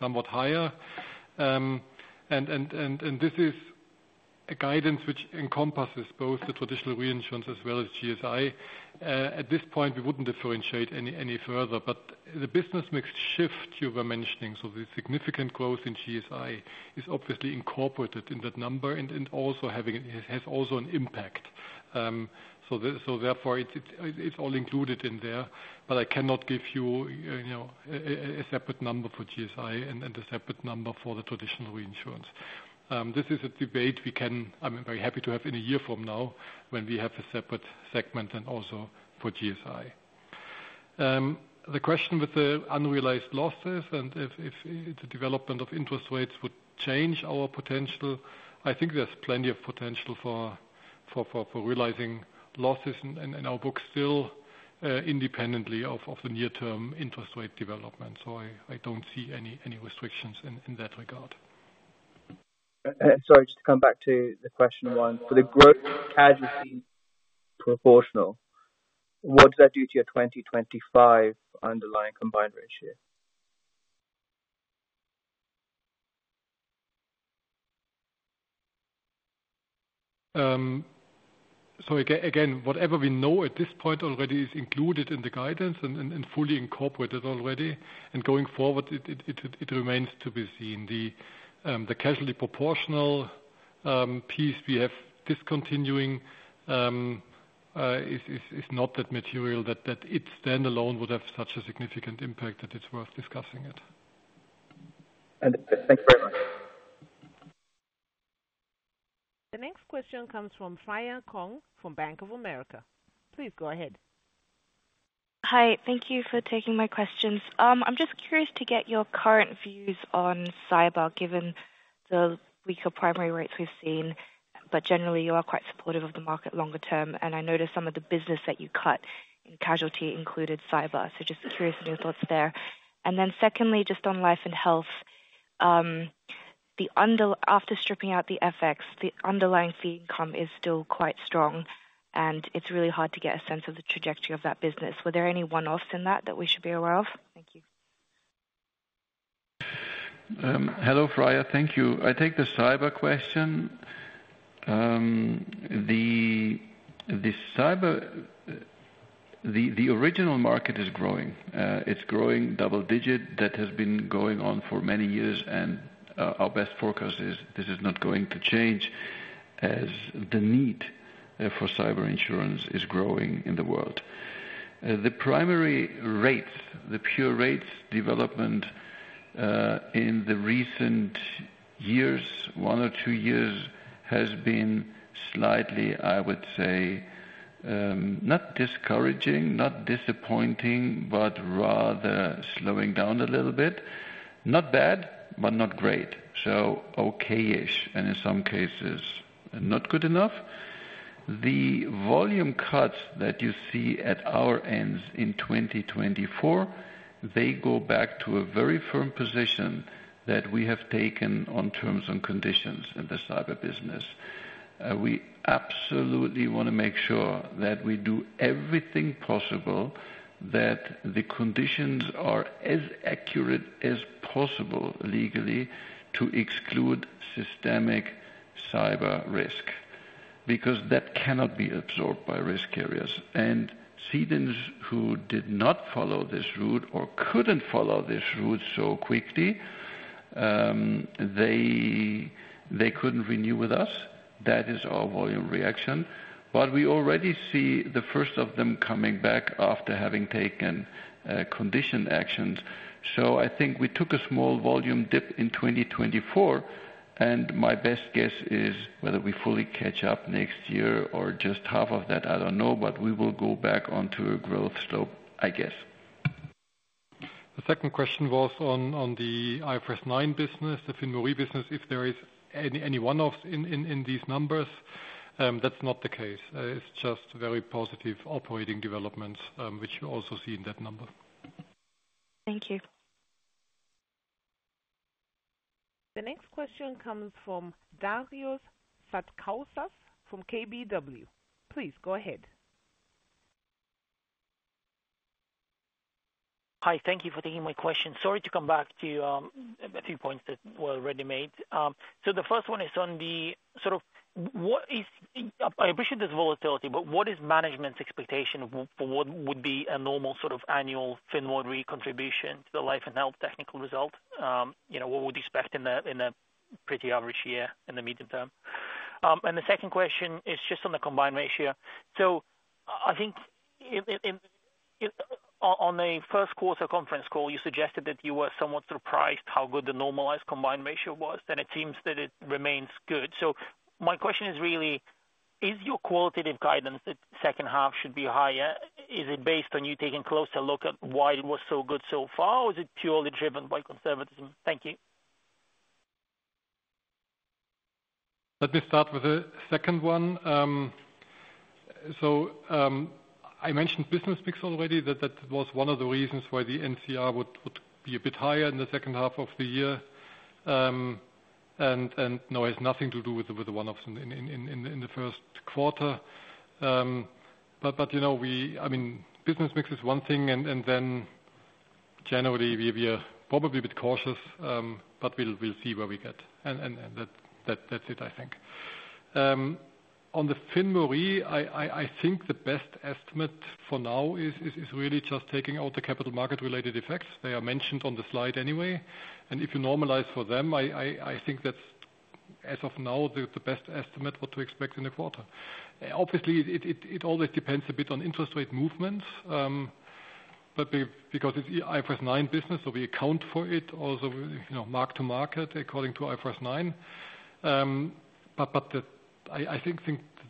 somewhat higher. And this is a guidance which encompasses both the traditional reinsurance as well as GSI. At this point, we wouldn't differentiate any further, but the business mix shift you were mentioning, so the significant growth in GSI, is obviously incorporated in that number and it has also an impact. So therefore, it's all included in there, but I cannot give you, you know, a separate number for GSI and a separate number for the traditional reinsurance. This is a debate we can—I'm very happy to have in a year from now, when we have a separate segment and also for GSI. The question with the unrealized losses and if the development of interest rates would change our potential, I think there's plenty of potential for realizing losses in our books still, independently of the near-term interest rate development. I don't see any restrictions in that regard. Sorry, just to come back to the question one. For the growth casualty proportional, what does that do to your 2025 underlying combined ratio? So again, whatever we know at this point already is included in the guidance and fully incorporated already, and going forward, it remains to be seen. The casualty proportional piece we have discontinuing is not that material that it standalone would have such a significant impact that it's worth discussing it. Thanks very much. The next question comes from Freya Kong, from Bank of America. Please go ahead. Hi, thank you for taking my questions. I'm just curious to get your current views on cyber, given the weaker primary rates we've seen, but generally you are quite supportive of the market longer term, and I noticed some of the business that you cut in casualty included cyber. So just curious on your thoughts there. And then secondly, just on Life and Health, after stripping out the FX, the underlying fee income is still quite strong, and it's really hard to get a sense of the trajectory of that business. Were there any one-offs in that, that we should be aware of? Thank you. Hello, Freya. Thank you. I take the cyber question. The cyber original market is growing. It's growing double digit. That has been going on for many years, and our best forecast is this is not going to change, as the need for cyber insurance is growing in the world. The primary rates, the pure rates development, in the recent years, one or two years, has been slightly, I would say, not discouraging, not disappointing, but rather slowing down a little bit. Not bad, but not great. So okay-ish, and in some cases, not good enough. The volume cuts that you see at our ends in 2024, they go back to a very firm position that we have taken on terms and conditions in the cyber business. We absolutely want to make sure that we do everything possible, that the conditions are as accurate as possible, legally, to exclude systemic cyber risk... because that cannot be absorbed by risk carriers. And cedents who did not follow this route or couldn't follow this route so quickly, they, they couldn't renew with us. That is our volume reaction. But we already see the first of them coming back after having taken, condition actions. So I think we took a small volume dip in 2024, and my best guess is whether we fully catch up next year or just half of that, I don't know, but we will go back onto a growth slope, I guess. The second question was on the IFRS 9 business, the FinRe business. If there is any one-offs in these numbers, that's not the case. It's just very positive operating developments, which you also see in that number. Thank you. The next question comes from Darius Satkauskas from KBW. Please go ahead. Hi, thank you for taking my question. Sorry to come back to a few points that were already made. So the first one is on the sort of what is—I appreciate there's volatility, but what is management's expectation for what would be a normal sort of annual FinRe contribution to the Life and Health technical result? You know, what would we expect in a pretty average year in the medium term? And the second question is just on the combined ratio. So I think in on the first quarter conference call, you suggested that you were somewhat surprised how good the normalized combined ratio was, and it seems that it remains good. So my question is really: Is your qualitative guidance that second half should be higher, is it based on you taking a closer look at why it was so good so far, or is it purely driven by conservatism? Thank you. Let me start with the second one. So, I mentioned business mix already. That was one of the reasons why the NCR would be a bit higher in the second half of the year. And, no, it has nothing to do with the one-offs in the first quarter. But, you know, we, I mean, business mix is one thing, and then generally, we are probably a bit cautious, but we'll see where we get. And that's it, I think. On the FinRe, I think the best estimate for now is really just taking out the capital market-related effects. They are mentioned on the slide anyway, and if you normalize for them, I think that's, as of now, the best estimate what to expect in the quarter. Obviously, it always depends a bit on interest rate movements, but because it's IFRS 9 business, so we account for it. Also, you know, mark to market, according to IFRS 9. But the... I think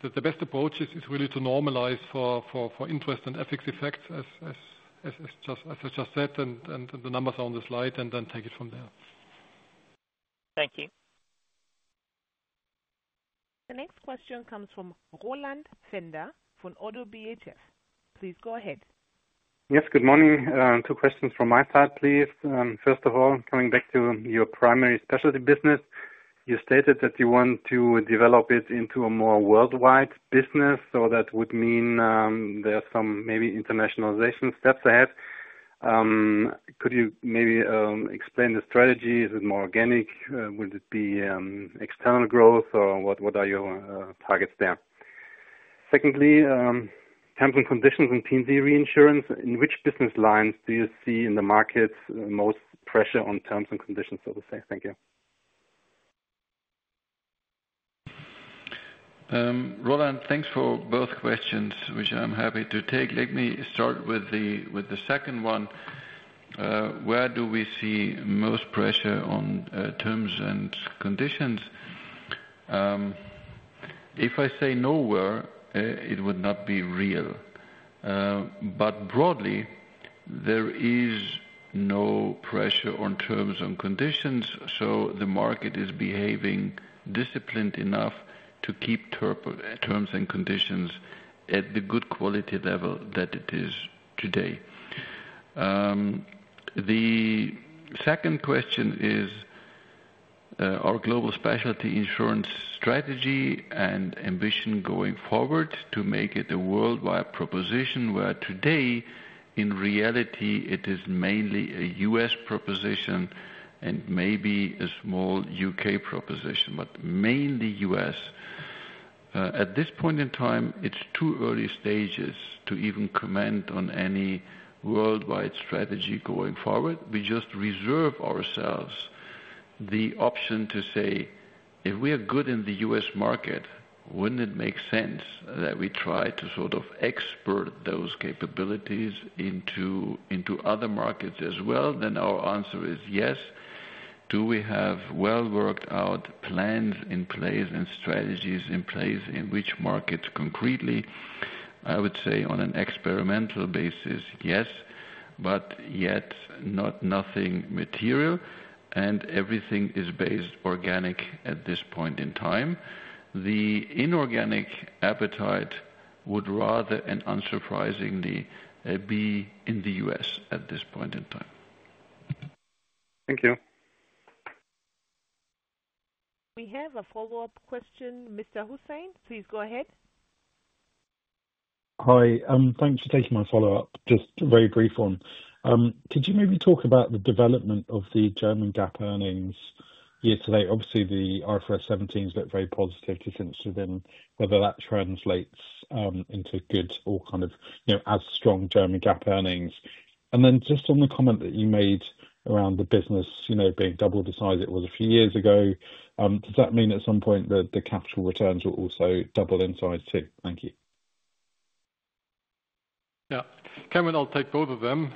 that the best approach is really to normalize for interest and FX effects, as I just said, and the numbers are on the slide, and then take it from there. Thank you. The next question comes from Roland Pfänder from ODDO BHF. Please go ahead. Yes, good morning. Two questions from my side, please. First of all, coming back to your primary specialty business, you stated that you want to develop it into a more worldwide business. So that would mean, there are some maybe internationalization steps ahead. Could you maybe explain the strategy? Is it more organic? Would it be external growth, or what, what are your targets there? Secondly, terms and conditions in P&C Reinsurance, in which business lines do you see in the markets, most pressure on terms and conditions, so to say? Thank you. Roland, thanks for both questions, which I'm happy to take. Let me start with the second one. Where do we see most pressure on terms and conditions? If I say nowhere, it would not be real. But broadly, there is no pressure on terms and conditions, so the market is behaving disciplined enough to keep terms and conditions at the good quality level that it is today. The second question is Global Specialty Insurance strategy and ambition going forward to make it a worldwide proposition, where today, in reality, it is mainly a U.S. proposition and maybe a small U.K. proposition, but mainly U.S.. At this point in time, it's too early stages to even comment on any worldwide strategy going forward. We just reserve ourselves the option to say, if we are good in the U.S. market, wouldn't it make sense that we try to sort of export those capabilities into, into other markets as well? Then our answer is yes. Do we have well-worked-out plans in place and strategies in place in which markets concretely? I would say on an experimental basis, yes, but yet not nothing material, and everything is based organic at this point in time. The inorganic appetite would rather, and unsurprisingly, be in the U.S. at this point in time. Thank you. We have a follow-up question. Mr. Hossain, please go ahead. Hi, thanks for taking my follow-up. Just very brief one. Could you maybe talk about the development of the German GAAP earnings year-to-date? Obviously, the IFRS 17's looked very positive, just interested in whether that translates into good or kind of, you know, as strong German GAAP earnings. And then just on the comment that you made around the business, you know, being double the size it was a few years ago, does that mean at some point the, the capital returns will also double in size, too? Thank you. Yeah, Kevin, I'll take both of them.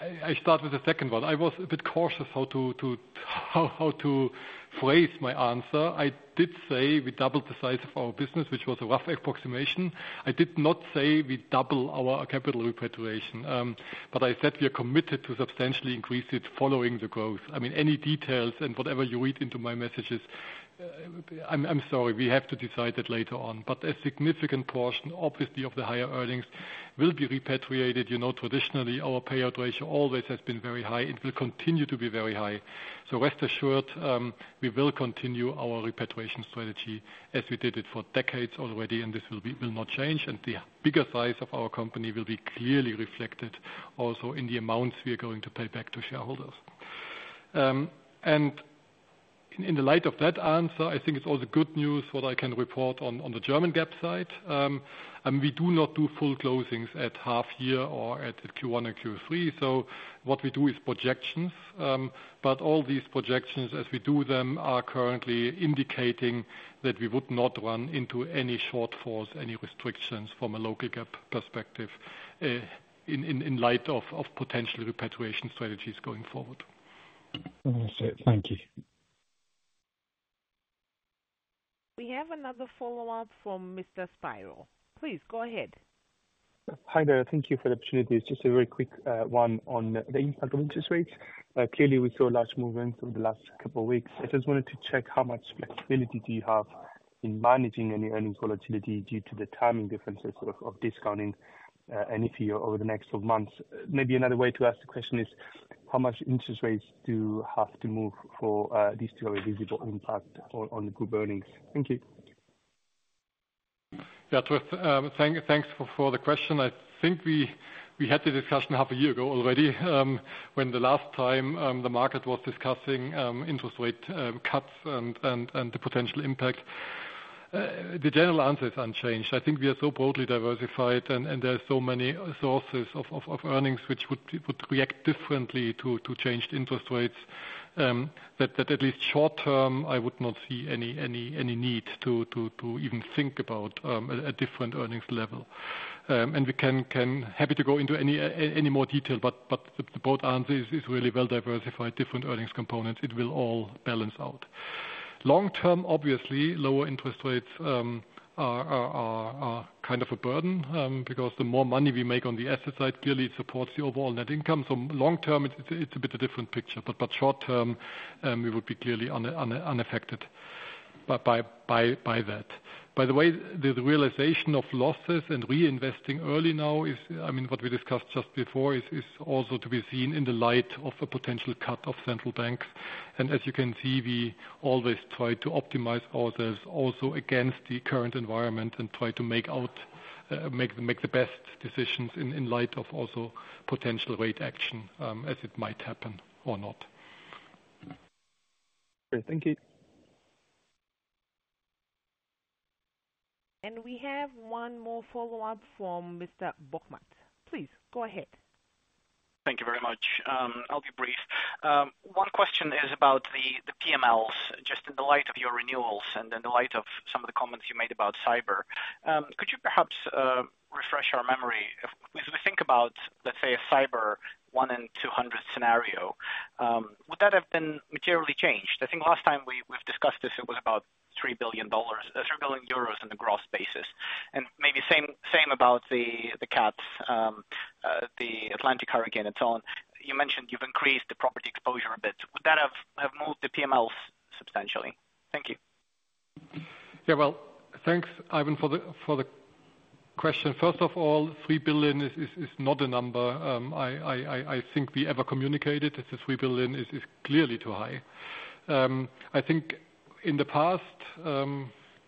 I start with the second one. I was a bit cautious how to phrase my answer. I did say we doubled the size of our business, which was a rough approximation. I did not say we double our capital repatriation, but I said we are committed to substantially increase it following the growth. I mean, any details and whatever you read into my messages, I'm sorry, we have to decide that later on. But a significant portion, obviously, of the higher earnings will be repatriated. You know, traditionally, our payout ratio always has been very high. It will continue to be very high. So rest assured, we will continue our repatriation strategy as we did it for decades already, and this will be- will not change. The bigger size of our company will be clearly reflected also in the amounts we are going to pay back to shareholders. In the light of that answer, I think it's all the good news what I can report on, on the German GAAP side. We do not do full closings at half year or at Q1 and Q3, so what we do is projections. But all these projections, as we do them, are currently indicating that we would not run into any shortfalls, any restrictions from a local GAAP perspective, in light of potential repatriation strategies going forward. Understood. Thank you. We have another follow-up from Mr. Spyrou. Please, go ahead. Hi there. Thank you for the opportunity. It's just a very quick one on the impact of interest rates. Clearly, we saw large movements over the last couple of weeks. I just wanted to check how much flexibility do you have in managing any earnings volatility due to the timing differences of discounting any fee over the next few months? Maybe another way to ask the question is, how much interest rates do you have to move for this to have a visible impact on the group earnings? Thank you. Yeah, it was, thanks for the question. I think we had the discussion half a year ago already, when the last time the market was discussing interest rate cuts and the potential impact. The general answer is unchanged. I think we are so broadly diversified and there are so many sources of earnings, which would react differently to changed interest rates. But at least short term, I would not see any need to even think about a different earnings level. And we can. Happy to go into any more detail, but the broad answer is really well diversified, different earnings components. It will all balance out. Long term, obviously, lower interest rates are kind of a burden because the more money we make on the asset side, clearly it supports the overall net income. So long term, it's a bit of different picture, but short term, we would be clearly unaffected by that. By the way, the realization of losses and reinvesting early now is, I mean, what we discussed just before, is also to be seen in the light of a potential cut of central banks. And as you can see, we always try to optimize ourselves also against the current environment and try to make the best decisions in light of also potential rate action, as it might happen or not. Great. Thank you. We have one more follow-up from Mr. Bokhmat. Please, go ahead. Thank you very much. I'll be brief. One question is about the PMLs, just in the light of your renewals and in the light of some of the comments you made about cyber. Could you perhaps refresh our memory? If we think about, let's say, a cyber 1 in 200 scenario, would that have been materially changed? I think last time we've discussed this, it was about $3 billion, 3 billion euros in the gross basis. And maybe same about the cats, the Atlantic hurricane and so on. You mentioned you've increased the property exposure a bit. Would that have moved the PMLs substantially? Thank you. Yeah, well, thanks, Ivan, for the question. First of all, 3 billion is not a number I think we ever communicated. The 3 billion is clearly too high. I think in the past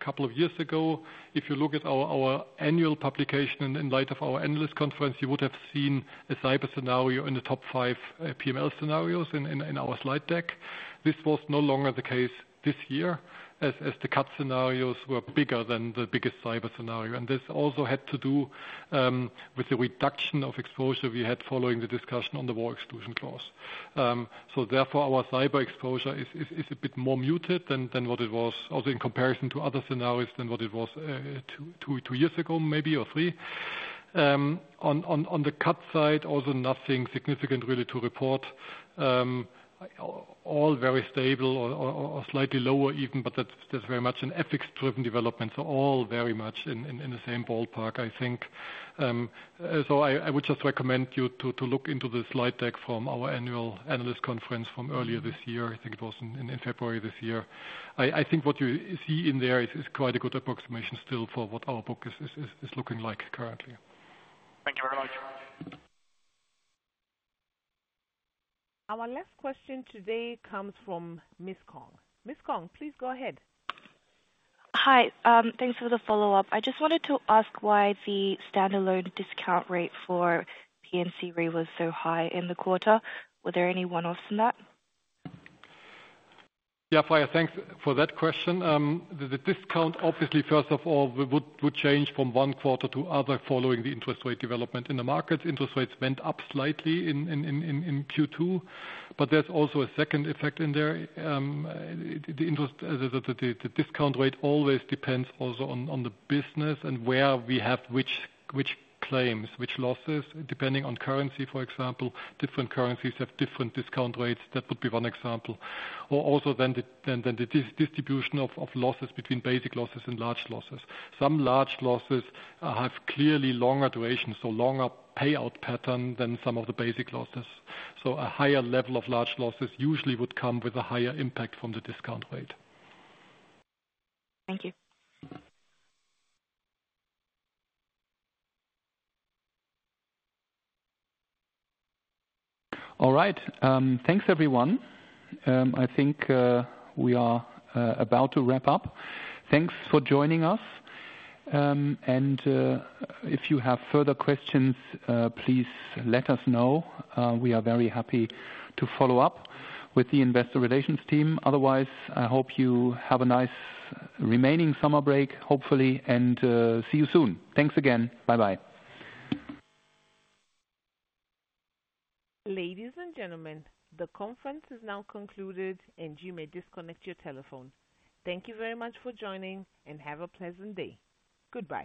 couple of years ago, if you look at our annual publication in light of our analyst conference, you would have seen a cyber scenario in the top five PML scenarios in our slide deck. This was no longer the case this year, as the cat scenarios were bigger than the biggest cyber scenario. And this also had to do with the reduction of exposure we had following the discussion on the war exclusion clause. So therefore, our cyber exposure is a bit more muted than what it was, also in comparison to other scenarios than what it was, two years ago, maybe, or three. On the cat side, also nothing significant really to report. All very stable or slightly lower even, but that's very much an ethics-driven development, so all very much in the same ballpark, I think. So I would just recommend you to look into the slide deck from our annual analyst conference from earlier this year. I think it was in February this year. I think what you see in there is quite a good approximation still for what our book is looking like currently. Thank you very much. Our last question today comes from Miss Kong. Miss Kong, please go ahead. Hi. Thanks for the follow-up. I just wanted to ask why the standalone discount rate for P&C Re was so high in the quarter. Were there any one-offs in that? Yeah, Freya, thanks for that question. The discount, obviously, first of all, would change from one quarter to other following the interest rate development. In the market, interest rates went up slightly in Q2, but there's also a second effect in there. The discount rate always depends also on the business and where we have which claims, which losses, depending on currency, for example. Different currencies have different discount rates. That would be one example. Or also then the distribution of losses between basic losses and large losses. Some large losses have clearly longer duration, so longer payout pattern than some of the basic losses. So a higher level of large losses usually would come with a higher impact from the discount rate. Thank you. All right. Thanks, everyone. I think we are about to wrap up. Thanks for joining us. And if you have further questions, please let us know. We are very happy to follow up with the investor relations team. Otherwise, I hope you have a nice remaining summer break, hopefully, and see you soon. Thanks again. Bye-bye. Ladies and gentlemen, the conference is now concluded, and you may disconnect your telephones. Thank you very much for joining, and have a pleasant day. Goodbye.